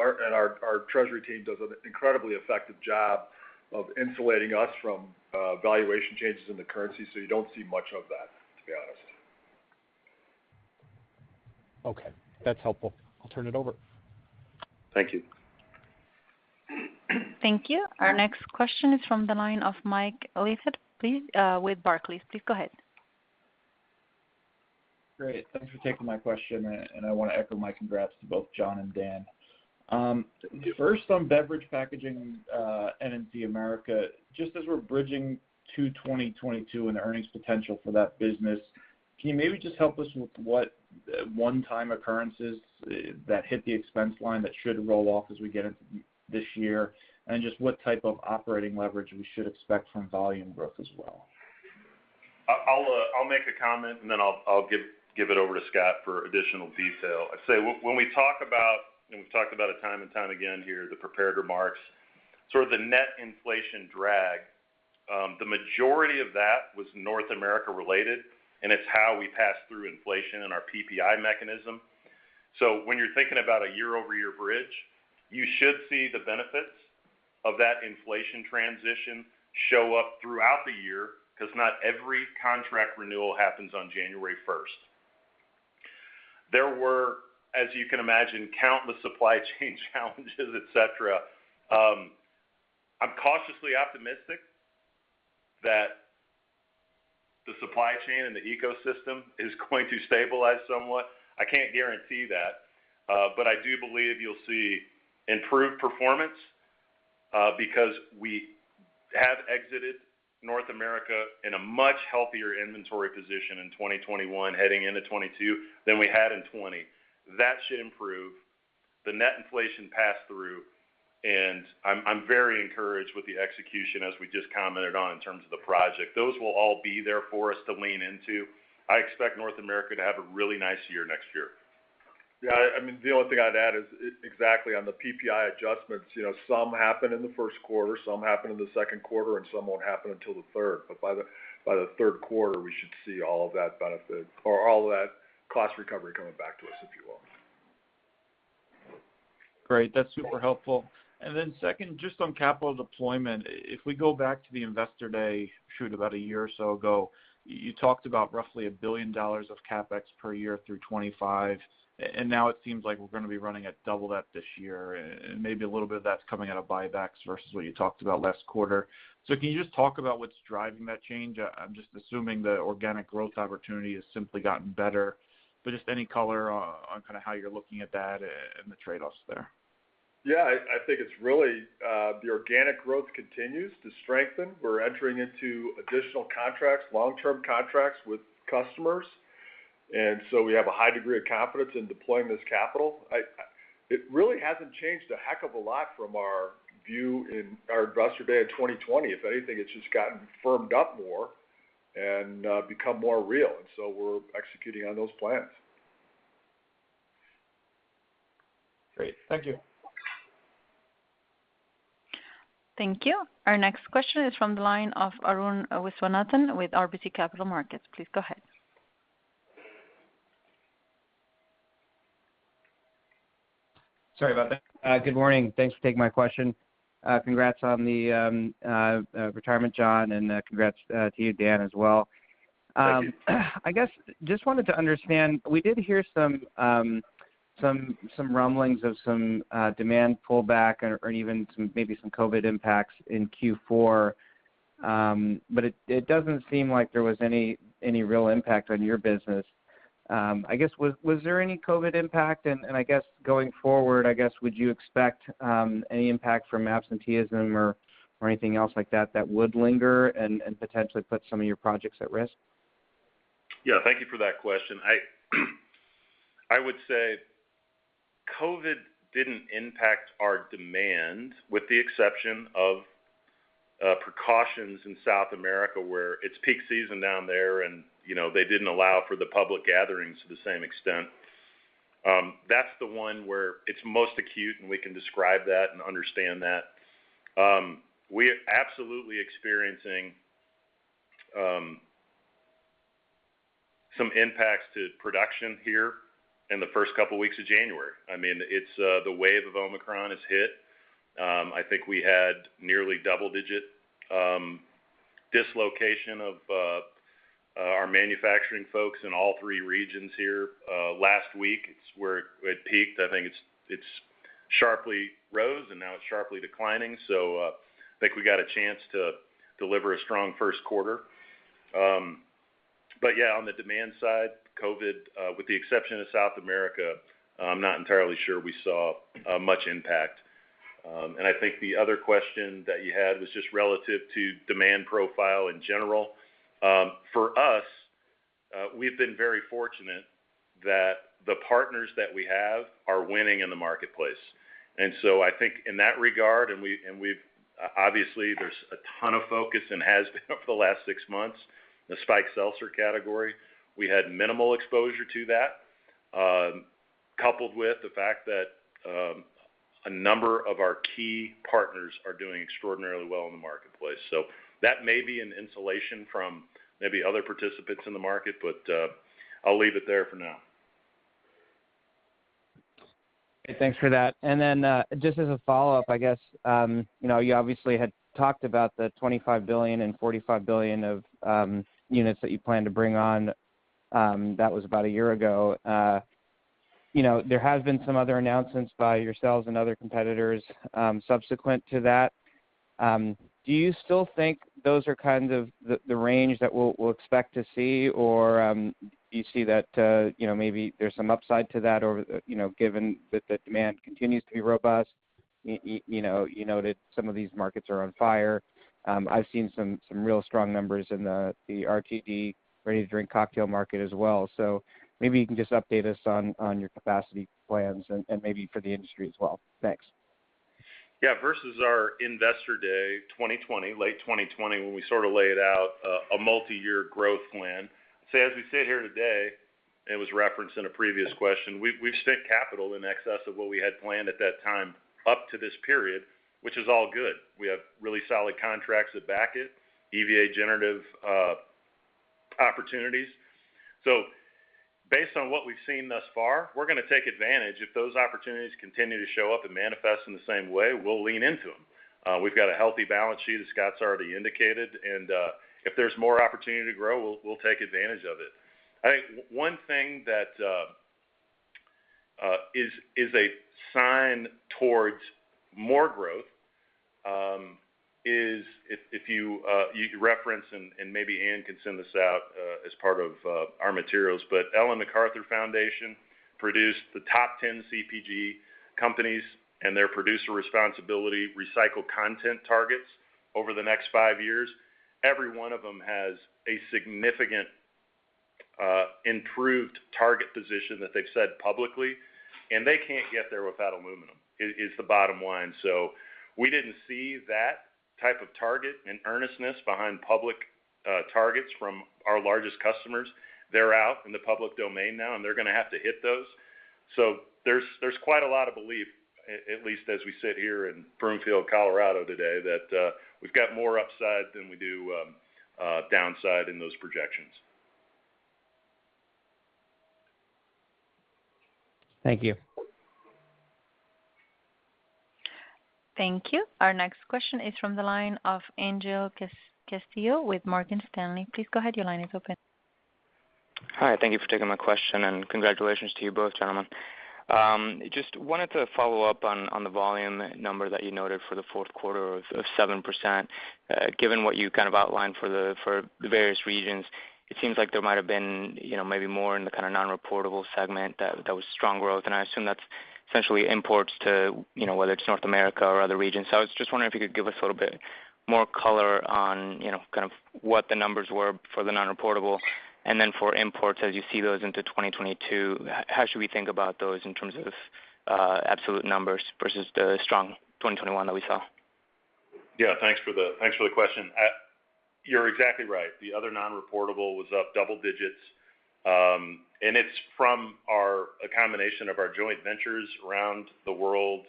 Our treasury team does an incredibly effective job of insulating us from valuation changes in the currency, so you don't see much of that, to be honest. Okay. That's helpful. I'll turn it over. Thank you. Thank you. Our next question is from the line of Mike Leithead, please, with Barclays. Please go ahead. Great. Thanks for taking my question. I want to echo my congrats to both John and Dan. First on beverage packaging, North America, just as we're bridging to 2022 and the earnings potential for that business, can you maybe just help us with what one-time occurrences that hit the expense line that should roll off as we get into this year? Just what type of operating leverage we should expect from volume growth as well? I'll make a comment, and then I'll give it over to Scott for additional detail. I'd say, when we talk about, and we've talked about it time and time again here in the prepared remarks, sort of the net inflation drag, the majority of that was North America related, and it's how we pass through inflation in our PPI mechanism. When you're thinking about a year-over-year bridge, you should see the benefits of that inflation transition show up throughout the year because not every contract renewal happens on January 1st. There were, as you can imagine, countless supply chain challenges, et cetera. I'm cautiously optimistic that the supply chain and the ecosystem is going to stabilize somewhat. I can't guarantee that, but I do believe you'll see improved performance, because we have exited North America in a much healthier inventory position in 2021 heading into 2022 than we had in 2020. That should improve the net inflation pass-through, and I'm very encouraged with the execution as we just commented on in terms of the project. Those will all be there for us to lean into. I expect North America to have a really nice year next year. Yeah. I mean, the only thing I'd add is exactly on the PPI adjustments. You know, some happen in the first quarter, some happen in the second quarter, and some won't happen until the third. By the third quarter, we should see all of that benefit or all of that cost recovery coming back to us, if you will. Great. That's super helpful. Second, just on capital deployment. If we go back to the Investor Day, shoot, about a year or so ago, you talked about roughly $1 billion of CapEx per year through 2025, and now it seems like we're gonna be running at double that this year, and maybe a little bit of that's coming out of buybacks versus what you talked about last quarter. Can you just talk about what's driving that change? I'm just assuming the organic growth opportunity has simply gotten better. Just any color on kind of how you're looking at that and the trade-offs there. Yeah. I think it's really the organic growth continues to strengthen. We're entering into additional contracts, long-term contracts with customers. We have a high degree of confidence in deploying this capital. It really hasn't changed a heck of a lot from our view in our Investor Day of 2020. If anything, it's just gotten firmed up more and become more real. We're executing on those plans. Great. Thank you. Thank you. Our next question is from the line of Arun Viswanathan with RBC Capital Markets. Please go ahead. Sorry about that. Good morning. Thanks for taking my question. Congrats on the retirement, John, and congrats to you, Dan, as well. Thank you. I guess I just wanted to understand, we did hear some rumblings of some demand pullback or even some maybe some COVID impacts in Q4. But it doesn't seem like there was any real impact on your business. I guess, was there any COVID impact? I guess going forward, would you expect any impact from absenteeism or anything else like that that would linger and potentially put some of your projects at risk? Yeah. Thank you for that question. I would say COVID didn't impact our demand with the exception of precautions in South America, where it's peak season down there and, you know, they didn't allow for the public gatherings to the same extent. That's the one where it's most acute, and we can describe that and understand that. We're absolutely experiencing some impacts to production here in the first couple weeks of January. I mean, it's the wave of Omicron has hit. I think we had nearly double-digit dislocation of our manufacturing folks in all three regions here last week. It's where it peaked. I think it sharply rose, and now it's sharply declining. I think we got a chance to deliver a strong first quarter. Yeah, on the demand side, COVID, with the exception of South America, I'm not entirely sure we saw much impact. I think the other question that you had was just relative to demand profile in general. For us, we've been very fortunate that the partners that we have are winning in the marketplace. I think in that regard, we've obviously there's a ton of focus and has been for the last six months in the spiked seltzer category. We had minimal exposure to that, coupled with the fact that a number of our key partners are doing extraordinarily well in the marketplace. That may be an insulation from maybe other participants in the market, but I'll leave it there for now. Okay, thanks for that. Just as a follow-up, I guess, you know, you obviously had talked about the 25 billion and 45 billion of units that you plan to bring on. That was about a year ago. You know, there has been some other announcements by yourselves and other competitors, subsequent to that. Do you still think those are kind of the range that we'll expect to see? Or, do you see that, you know, maybe there's some upside to that or, you know, given that the demand continues to be robust, you know, you noted some of these markets are on fire. I've seen some real strong numbers in the RTD, ready to drink cocktail market as well. Maybe you can just update us on your capacity plans and maybe for the industry as well. Thanks. Yeah. Versus our Investor Day 2020, late 2020, when we sort of laid out a multiyear growth plan. As we sit here today, it was referenced in a previous question, we've spent capital in excess of what we had planned at that time up to this period, which is all good. We have really solid contracts that back it, EVA generative opportunities. Based on what we've seen thus far, we're gonna take advantage. If those opportunities continue to show up and manifest in the same way, we'll lean into them. We've got a healthy balance sheet as Scott's already indicated, and if there's more opportunity to grow, we'll take advantage of it. I think one thing that is a sign towards more growth is if you reference and maybe Anne can send this out as part of our materials. Ellen MacArthur Foundation produced the top 10 CPG companies and their producer responsibility recycled content targets over the next five years. Every one of them has a significant improved target position that they've said publicly, and they can't get there without aluminum. Is the bottom line. We didn't see that type of target and earnestness behind public targets from our largest customers. They're out in the public domain now, and they're gonna have to hit those. There's quite a lot of belief, at least as we sit here in Broomfield, Colorado today, that we've got more upside than we do downside in those projections. Thank you. Thank you. Our next question is from the line of Angel Castillo with Morgan Stanley. Please go ahead. Your line is open. Hi, thank you for taking my question, and congratulations to you both, gentlemen. Just wanted to follow up on the volume number that you noted for the fourth quarter of 7%. Given what you outlined for the various regions, it seems like there might have been, you know, maybe more in the non-reportable segment that was strong growth. I assume that's essentially imports to, you know, whether it's North America or other regions. I was just wondering if you could give us a little bit more color on, you know, what the numbers were for the non-reportable and then for imports as you see those into 2022. How should we think about those in terms of absolute numbers versus the strong 2021 that we saw? Thanks for the question. You're exactly right. The other non-reportable was up double digits, and it's from a combination of our joint ventures around the world,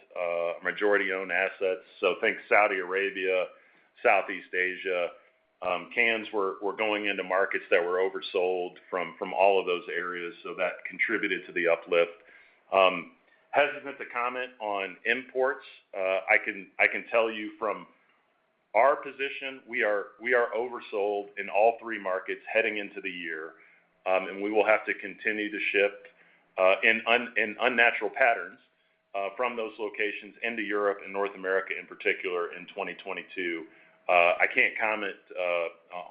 majority owned assets. Think Saudi Arabia, Southeast Asia. Cans were going into markets that were oversold from all of those areas, so that contributed to the uplift. Hesitant to comment on imports. I can tell you from our position, we are oversold in all three markets heading into the year. We will have to continue to ship in unnatural patterns from those locations into Europe and North America in particular in 2022. I can't comment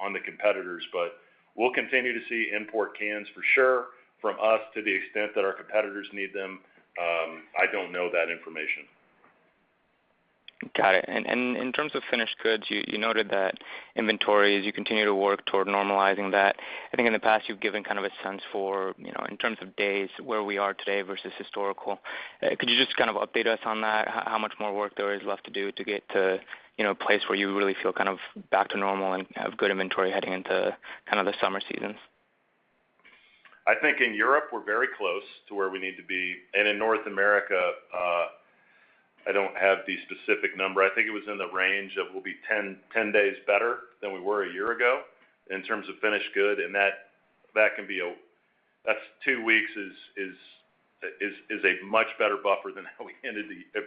on the competitors, but we'll continue to see import cans for sure from us to the extent that our competitors need them. I don't know that information. Got it. In terms of finished goods, you noted that inventories you continue to work toward normalizing that. I think in the past you've given kind of a sense for, you know, in terms of days where we are today versus historical. Could you just kind of update us on that? How much more work there is left to do to get to, you know, a place where you really feel kind of back to normal and have good inventory heading into kind of the summer seasons? I think in Europe we're very close to where we need to be. In North America, I don't have the specific number. I think it was in the range of we'll be 10 days better than we were a year ago in terms of finished goods. That can be a— That's two weeks is a much better buffer than how we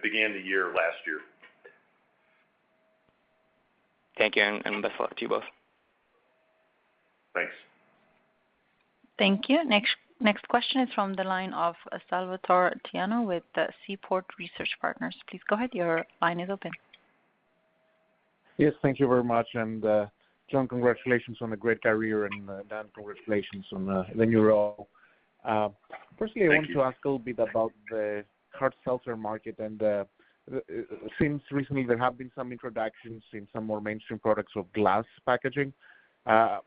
began the year last year. Thank you and best of luck to you both. Thanks. Thank you. Next question is from the line of Salvator Tiano with Seaport Research Partners. Please go ahead. Your line is open. Yes, thank you very much. John, congratulations on a great career and, Dan, congratulations on the new role. Firstly, I want to ask a little bit about the hard seltzer market. Since recently there have been some introductions in some more mainstream products of glass packaging. There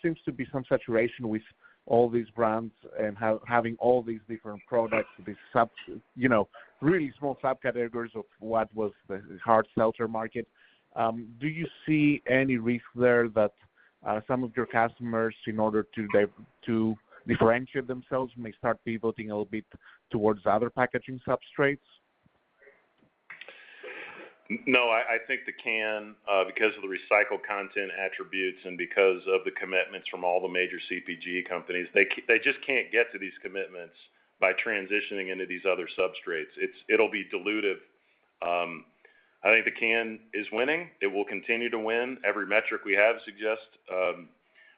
seems to be some saturation with all these brands and having all these different products to be, you know, really small subcategories of what was the hard seltzer market. Do you see any risk there that some of your customers, in order to differentiate themselves may start pivoting a little bit towards other packaging substrates? No, I think the can, because of the recycled content attributes and because of the commitments from all the major CPG companies, they just can't get to these commitments by transitioning into these other substrates. It'll be dilutive. I think the can is winning. It will continue to win. Every metric we have suggest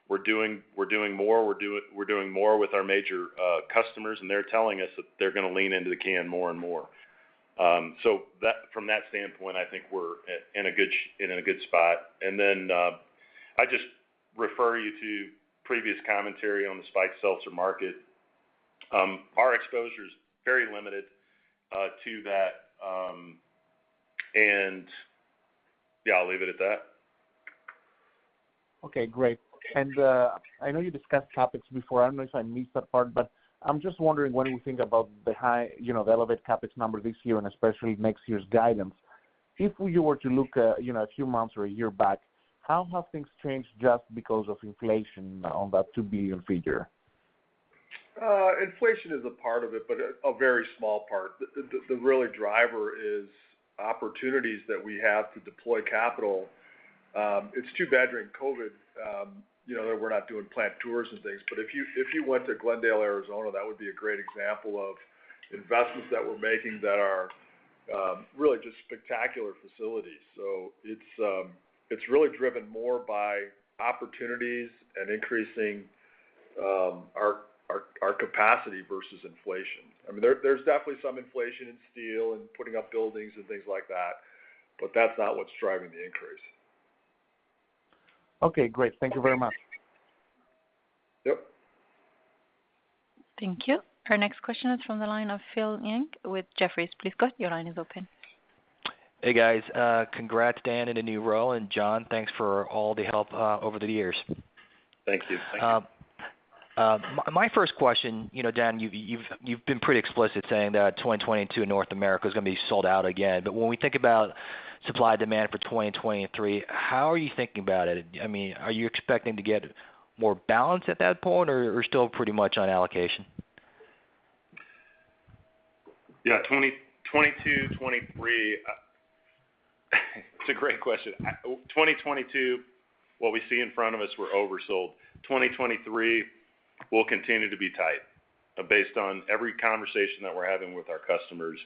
we're doing more with our major customers, and they're telling us that they're gonna lean into the can more and more. From that standpoint, I think we're in a good spot. I just refer you to previous commentary on the spiked seltzer market. Our exposure is very limited to that. Yeah, I'll leave it at that. Okay, great. I know you discussed CapEx before. I don't know if I missed that part, but I'm just wondering what do you think about the high, you know, the elevated CapEx number this year and especially next year's guidance? If you were to look, you know, a few months or a year back, how have things changed just because of inflation on that $2 billion figure? Inflation is a part of it, but a very small part. The real driver is opportunities that we have to deploy capital. It's too bad during COVID, you know, that we're not doing plant tours and things. If you went to Glendale, Arizona, that would be a great example of investments that we're making that are really just spectacular facilities. It's really driven more by opportunities and increasing our capacity versus inflation. I mean, there's definitely some inflation in steel and putting up buildings and things like that, but that's not what's driving the increase. Okay, great. Thank you very much. Yep. Thank you. Our next question is from the line of Phil Ng with Jefferies. Please go ahead, your line is open. Hey, guys. Congrats, Dan, in the new role. John, thanks for all the help over the years. Thanks, Phil. My first question, you know, Dan, you've been pretty explicit saying that 2022 North America is gonna be sold out again. But when we think about supply demand for 2023, how are you thinking about it? I mean, are you expecting to get more balance at that point or still pretty much on allocation? Yeah. 2022, 2023, it's a great question. 2022, what we see in front of us, we're oversold. 2023 will continue to be tight based on every conversation that we're having with our customers.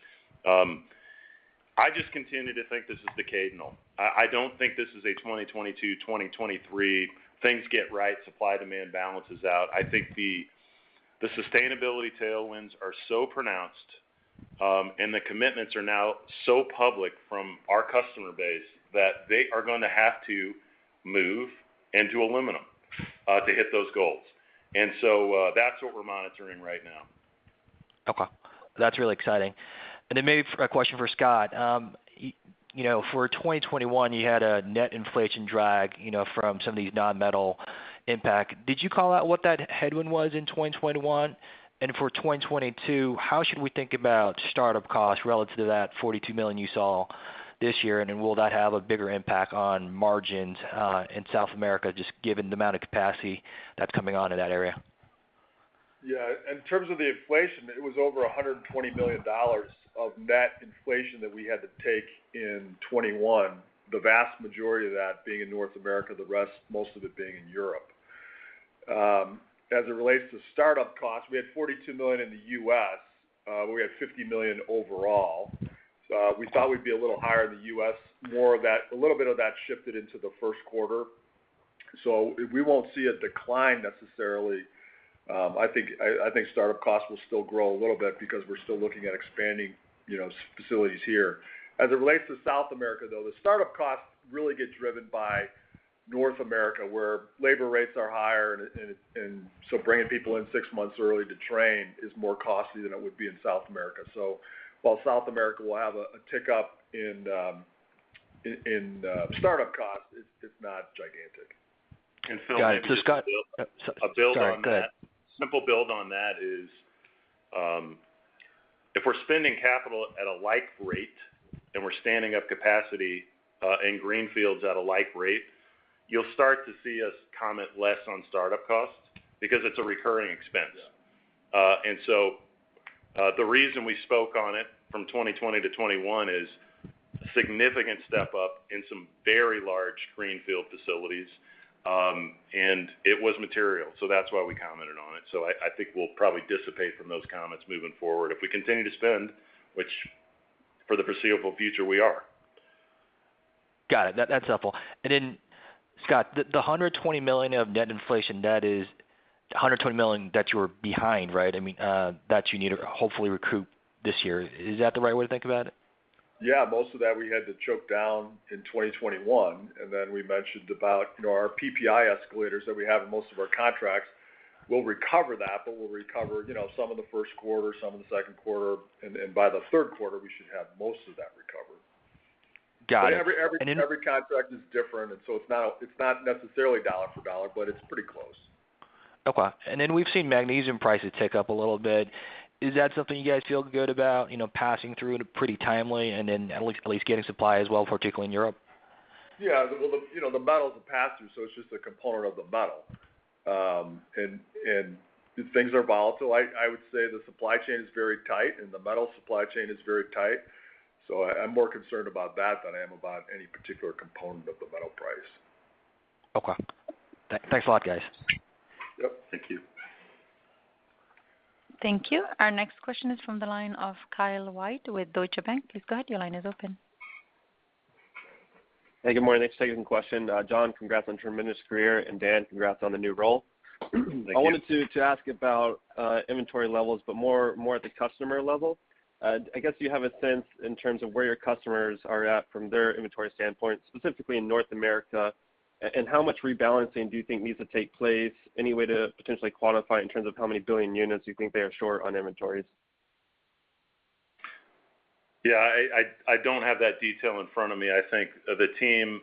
I just continue to think this is decadal. I don't think this is a 2022, 2023 things get right, supply-demand balances out. I think the sustainability tailwinds are so pronounced, and the commitments are now so public from our customer base that they are gonna have to move into aluminum to hit those goals. That's what we're monitoring right now. Okay. That's really exciting. Then maybe a question for Scott. You know, for 2021, you had a net inflation drag, you know, from some of these non-metal impact. Did you call out what that headwind was in 2021? For 2022, how should we think about startup costs relative to that $42 million you saw this year? Will that have a bigger impact on margins in South America, just given the amount of capacity that's coming on in that area? Yeah. In terms of the inflation, it was over $120 million of net inflation that we had to take in 2021. The vast majority of that being in North America, the rest, most of it being in Europe. As it relates to startup costs, we had $42 million in the U.S. We had $50 million overall. We thought we'd be a little higher in the U.S. More of that. A little bit of that shifted into the first quarter. We won't see a decline necessarily. I think startup costs will still grow a little bit because we're still looking at expanding, you know, facilities here. As it relates to South America, though, the startup costs really get driven by North America, where labor rates are higher and so bringing people in six months early to train is more costly than it would be in South America. While South America will have a tick up in startup costs, it's not gigantic. And Phil- Got it. Scott- I'll build on that. Sorry, go ahead. Simple build on that is, if we're spending capital at a like rate and we're standing up capacity, in greenfields at a like rate, you'll start to see us comment less on startup costs because it's a recurring expense. Yeah. The reason we spoke on it from 2020 to 2021 is significant step up in some very large greenfield facilities. It was material, so that's why we commented on it. I think we'll probably dissipate from those comments moving forward. If we continue to spend, which for the foreseeable future we are. Got it. That's helpful. Scott, the $120 million of net inflation, that is $120 million that you were behind, right? I mean, that you need to hopefully recoup this year. Is that the right way to think about it? Yeah, most of that we had to choke down in 2021. We mentioned about, you know, our PPI escalators that we have in most of our contracts. We'll recover that, but we'll recover, you know, some in the first quarter, some in the second quarter, and by the third quarter, we should have most of that recovered. Got it. Every contract is different. It's not necessarily dollar for dollar, but it's pretty close. Okay. Then we've seen magnesium prices tick up a little bit. Is that something you guys feel good about, you know, passing through in a pretty timely, and then at least getting supply as well, particularly in Europe? Yeah. Well, you know, the metal is a pass-through, so it's just a component of the metal. Things are volatile. I would say the supply chain is very tight, and the metal supply chain is very tight. I'm more concerned about that than I am about any particular component of the metal price. Okay. Thanks a lot, guys. Yep. Thank you. Thank you. Our next question is from the line of Kyle White with Deutsche Bank. Please go ahead. Your line is open. Hey, good morning. Thanks for taking the question. John, congrats on tremendous career. Dan, congrats on the new role. Thank you. I wanted to ask about inventory levels, but more at the customer level. I guess you have a sense in terms of where your customers are at from their inventory standpoint, specifically in North America. And how much rebalancing do you think needs to take place? Any way to potentially quantify in terms of how many billion units you think they are short on inventories? Yeah, I don't have that detail in front of me. I think the team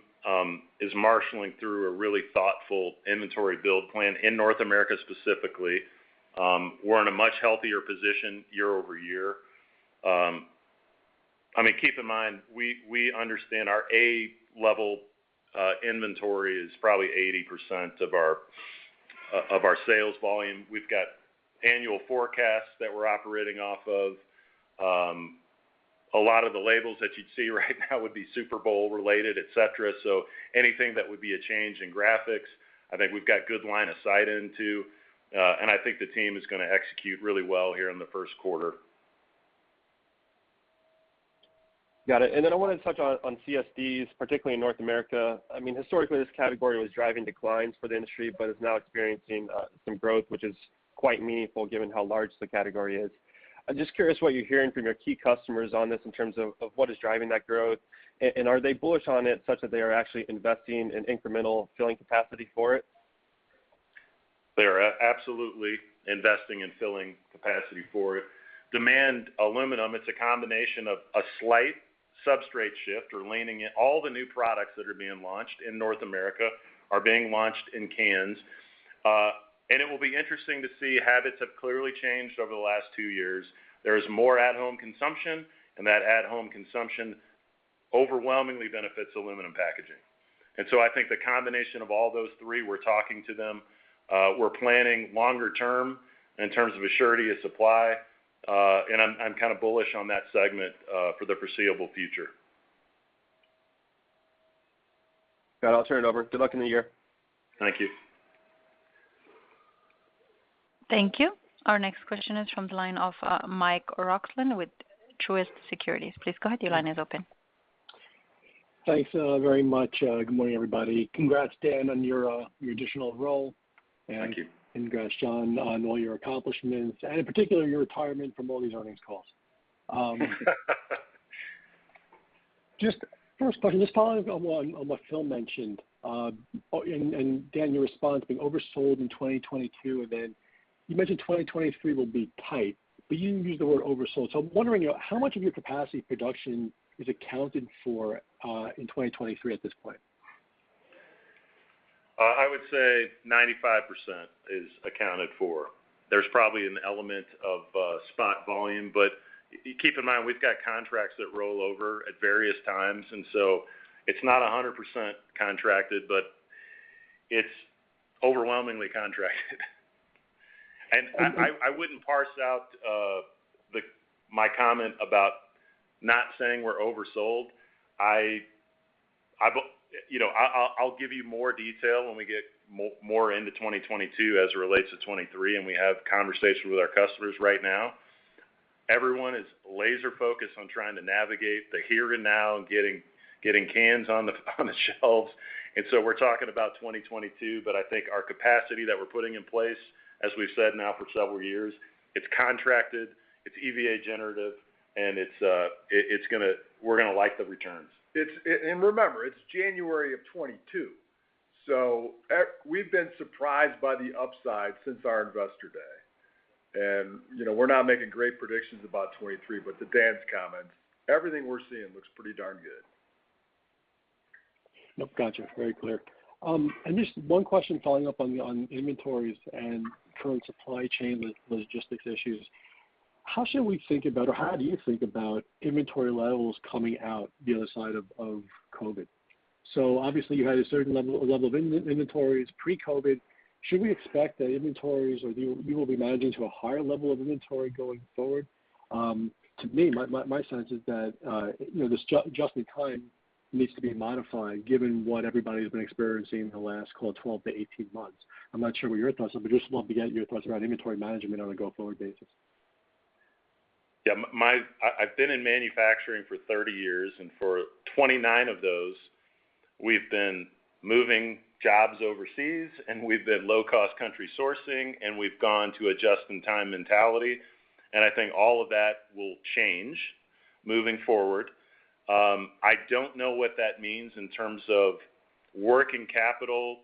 is marshaling through a really thoughtful inventory build plan in North America specifically. We're in a much healthier position year over year. I mean, keep in mind, we understand our A-level inventory is probably 80% of our sales volume. We've got annual forecasts that we're operating off of. A lot of the labels that you'd see right now would be Super Bowl related, et cetera. Anything that would be a change in graphics, I think we've got good line of sight into. I think the team is gonna execute really well here in the first quarter. Got it. Then I wanted to touch on CSDs, particularly in North America. I mean, historically, this category was driving declines for the industry, but is now experiencing some growth, which is quite meaningful given how large the category is. I'm just curious what you're hearing from your key customers on this in terms of what is driving that growth. Are they bullish on it such that they are actually investing in incremental filling capacity for it? They are absolutely investing in filling capacity for it. Demand for aluminum, it's a combination of a slight substrate shift. We're leaning into all the new products that are being launched in North America are being launched in cans. It will be interesting to see how habits have clearly changed over the last two years. There is more at-home consumption, and that at-home consumption overwhelmingly benefits aluminum packaging. I think the combination of all those three, we're talking to them, we're planning longer term in terms of assurance of supply. I'm kind of bullish on that segment for the foreseeable future. Got it. I'll turn it over. Good luck in the year. Thank you. Thank you. Our next question is from the line of Mike Roxland with Truist Securities. Please go ahead. Your line is open. Thanks, very much. Good morning, everybody. Congrats, Dan, on your additional role. Thank you. Congrats, John, on all your accomplishments, and in particular, your retirement from all these earnings calls. Just first question, just following up on what Phil mentioned, and Dan, your response being oversold in 2022, and then you mentioned 2023 will be tight. But you didn't use the word oversold. So I'm wondering, you know, how much of your capacity production is accounted for in 2023 at this point? I would say 95% is accounted for. There's probably an element of spot volume. Keep in mind, we've got contracts that roll over at various times, and so it's not 100% contracted, but it's overwhelmingly contracted. I wouldn't parse out my comment about not saying we're oversold. You know, I'll give you more detail when we get more into 2022 as it relates to 2023, and we have conversations with our customers right now. Everyone is laser focused on trying to navigate the here and now and getting cans on the shelves. We're talking about 2022, but I think our capacity that we're putting in place, as we've said now for several years, it's contracted, it's EVA generative, and we're gonna like the returns. Remember, it's January of 2022. We've been surprised by the upside since our Investor Day. You know, we're not making great predictions about 2023, but to Dan's comments, everything we're seeing looks pretty darn good. Yep. Gotcha. Very clear. Just one question following up on inventories and current supply chain logistics issues. How should we think about, or how do you think about inventory levels coming out the other side of COVID? Obviously, you had a certain level of inventories pre-COVID. Should we expect that inventories or you will be managing to a higher level of inventory going forward? To me, my sense is that, you know, this just in time needs to be modified given what everybody has been experiencing in the last, call it, 12-18 months. I'm not sure what your thoughts are, but just love to get your thoughts around inventory management on a go-forward basis. I've been in manufacturing for 30 years, and for 29 of those we've been moving jobs overseas, and we've been low-cost country sourcing, and we've gone to a just-in-time mentality. I think all of that will change moving forward. I don't know what that means in terms of working capital,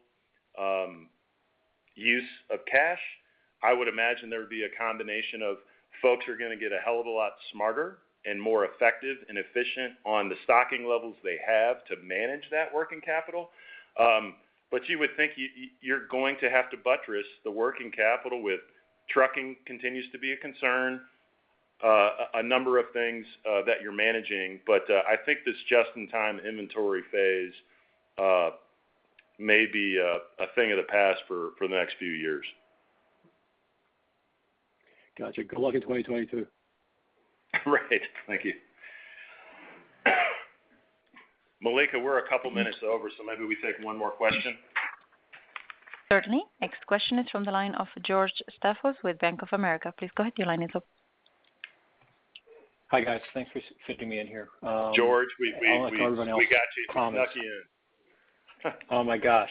use of cash. I would imagine there would be a combination of folks who are gonna get a hell of a lot smarter and more effective and efficient on the stocking levels they have to manage that working capital. But you would think you're going to have to buttress the working capital with trucking continues to be a concern, a number of things that you're managing. I think this just-in-time inventory phase may be a thing of the past for the next few years. Gotcha. Good luck in 2022. Great. Thank you. Malika, we're a couple minutes over, so maybe we take one more question. Certainly. Next question is from the line of George Staphos with Bank of America. Please go ahead, your line is open. Hi, guys. Thanks for fitting me in here. George, we I'll let everyone else. We got you. I promise. We got you in. Oh my gosh.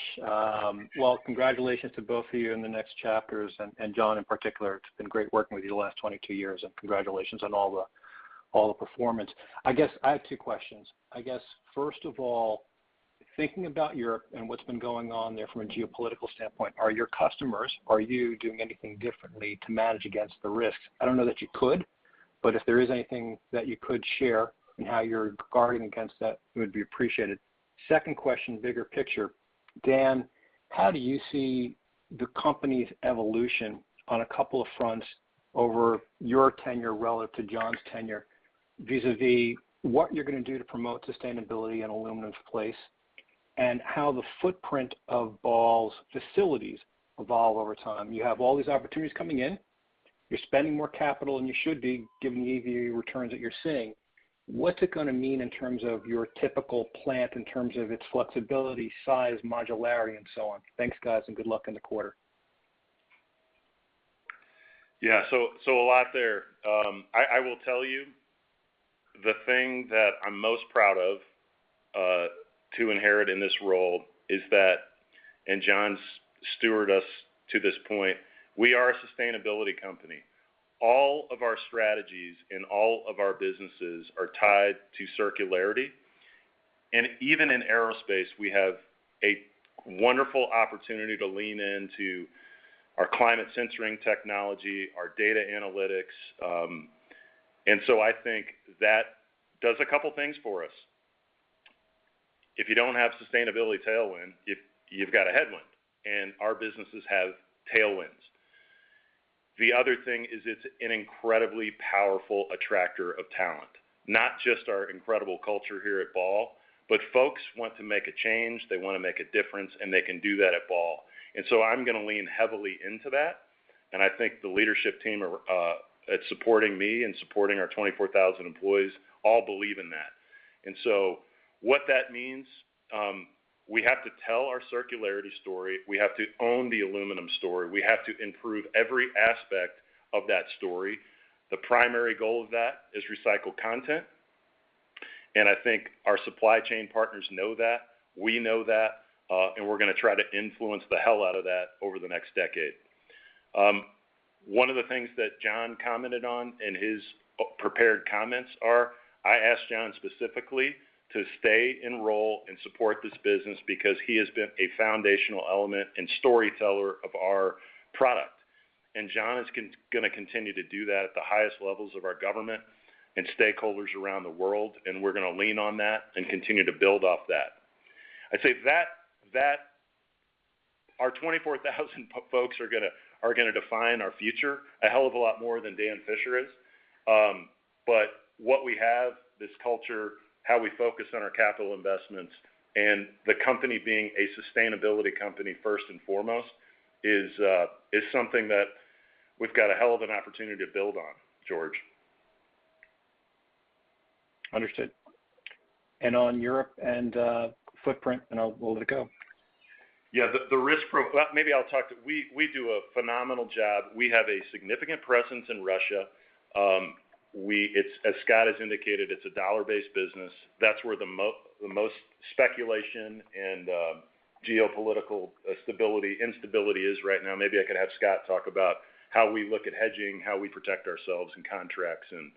Well, congratulations to both of you in the next chapters. John in particular, it's been great working with you the last 22 years, and congratulations on all the performance. I guess I have two questions. First of all, thinking about Europe and what's been going on there from a geopolitical standpoint, are you doing anything differently to manage against the risks? I don't know that you could, but if there is anything that you could share in how you're guarding against that, it would be appreciated. Second question, bigger picture. Dan, how do you see the company's evolution on a couple of fronts over your tenure relative to John's tenure vis-a-vis what you're gonna do to promote sustainability in aluminum's place and how the footprint of Ball's facilities evolve over time? You have all these opportunities coming in. You're spending more capital than you should be given the returns that you're seeing. What's it gonna mean in terms of your typical plant in terms of its flexibility, size, modularity and so on? Thanks, guys, and good luck in the quarter. I will tell you the thing that I'm most proud of to inherit in this role is that John has stewarded us to this point. We are a sustainability company. All of our strategies in all of our businesses are tied to circularity. Even in aerospace, we have a wonderful opportunity to lean into our climate sensing technology, our data analytics. I think that does a couple things for us. If you don't have sustainability tailwind, if you've got a headwind, our businesses have tailwinds. The other thing is it's an incredibly powerful attractor of talent. Not just our incredible culture here at Ball, but folks want to make a change, they wanna make a difference, and they can do that at Ball. I'm gonna lean heavily into that, and I think the leadership team is supporting me and our 24,000 employees all believe in that. What that means, we have to tell our circularity story. We have to own the aluminum story. We have to improve every aspect of that story. The primary goal of that is recycled content, and I think our supply chain partners know that, we know that, and we're gonna try to influence the hell out of that over the next decade. One of the things that John commented on in his prepared comments is that I asked John specifically to stay involved and support this business because he has been a foundational element and storyteller of our product. John is gonna continue to do that at the highest levels of our government and stakeholders around the world, and we're gonna lean on that and continue to build off that. I'd say that our 24,000 folks are gonna define our future a hell of a lot more than Dan Fisher is. What we have, this culture, how we focus on our capital investments and the company being a sustainability company first and foremost is something that we've got a hell of an opportunity to build on, George. Understood. On Europe and, footprint, and I'll let it go. Yeah. Well, maybe I'll talk to. We do a phenomenal job. We have a significant presence in Russia. It's, as Scott has indicated, it's a dollar-based business. That's where the most speculation and geopolitical instability is right now. Maybe I could have Scott talk about how we look at hedging, how we protect ourselves in contracts and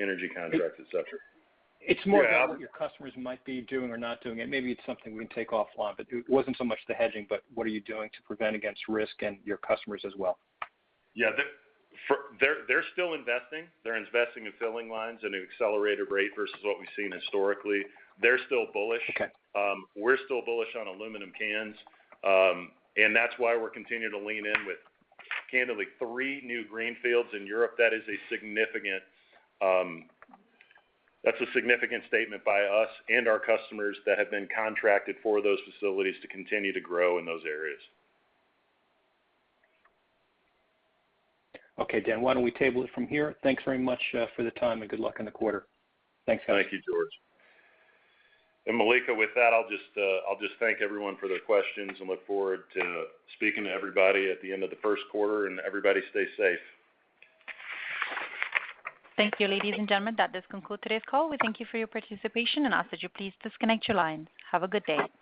energy contracts, et cetera. It- Yeah. It's more about what your customers might be doing or not doing. Maybe it's something we can take offline, but it wasn't so much the hedging, but what are you doing to prevent against risk and your customers as well? Yeah. They're still investing. They're investing in filling lines at an accelerated rate versus what we've seen historically. They're still bullish. Okay. We're still bullish on aluminum cans. That's why we're continuing to lean in with candidly three new greenfields in Europe. That is a significant statement by us and our customers that have been contracted for those facilities to continue to grow in those areas. Okay. Dan, why don't we table it from here? Thanks very much for the time, and good luck in the quarter. Thanks, guys. Thank you, George. Malika, with that, I'll just thank everyone for their questions and look forward to speaking to everybody at the end of the first quarter. Everybody stay safe. Thank you, ladies and gentlemen. That does conclude today's call. We thank you for your participation and ask that you please disconnect your lines. Have a good day.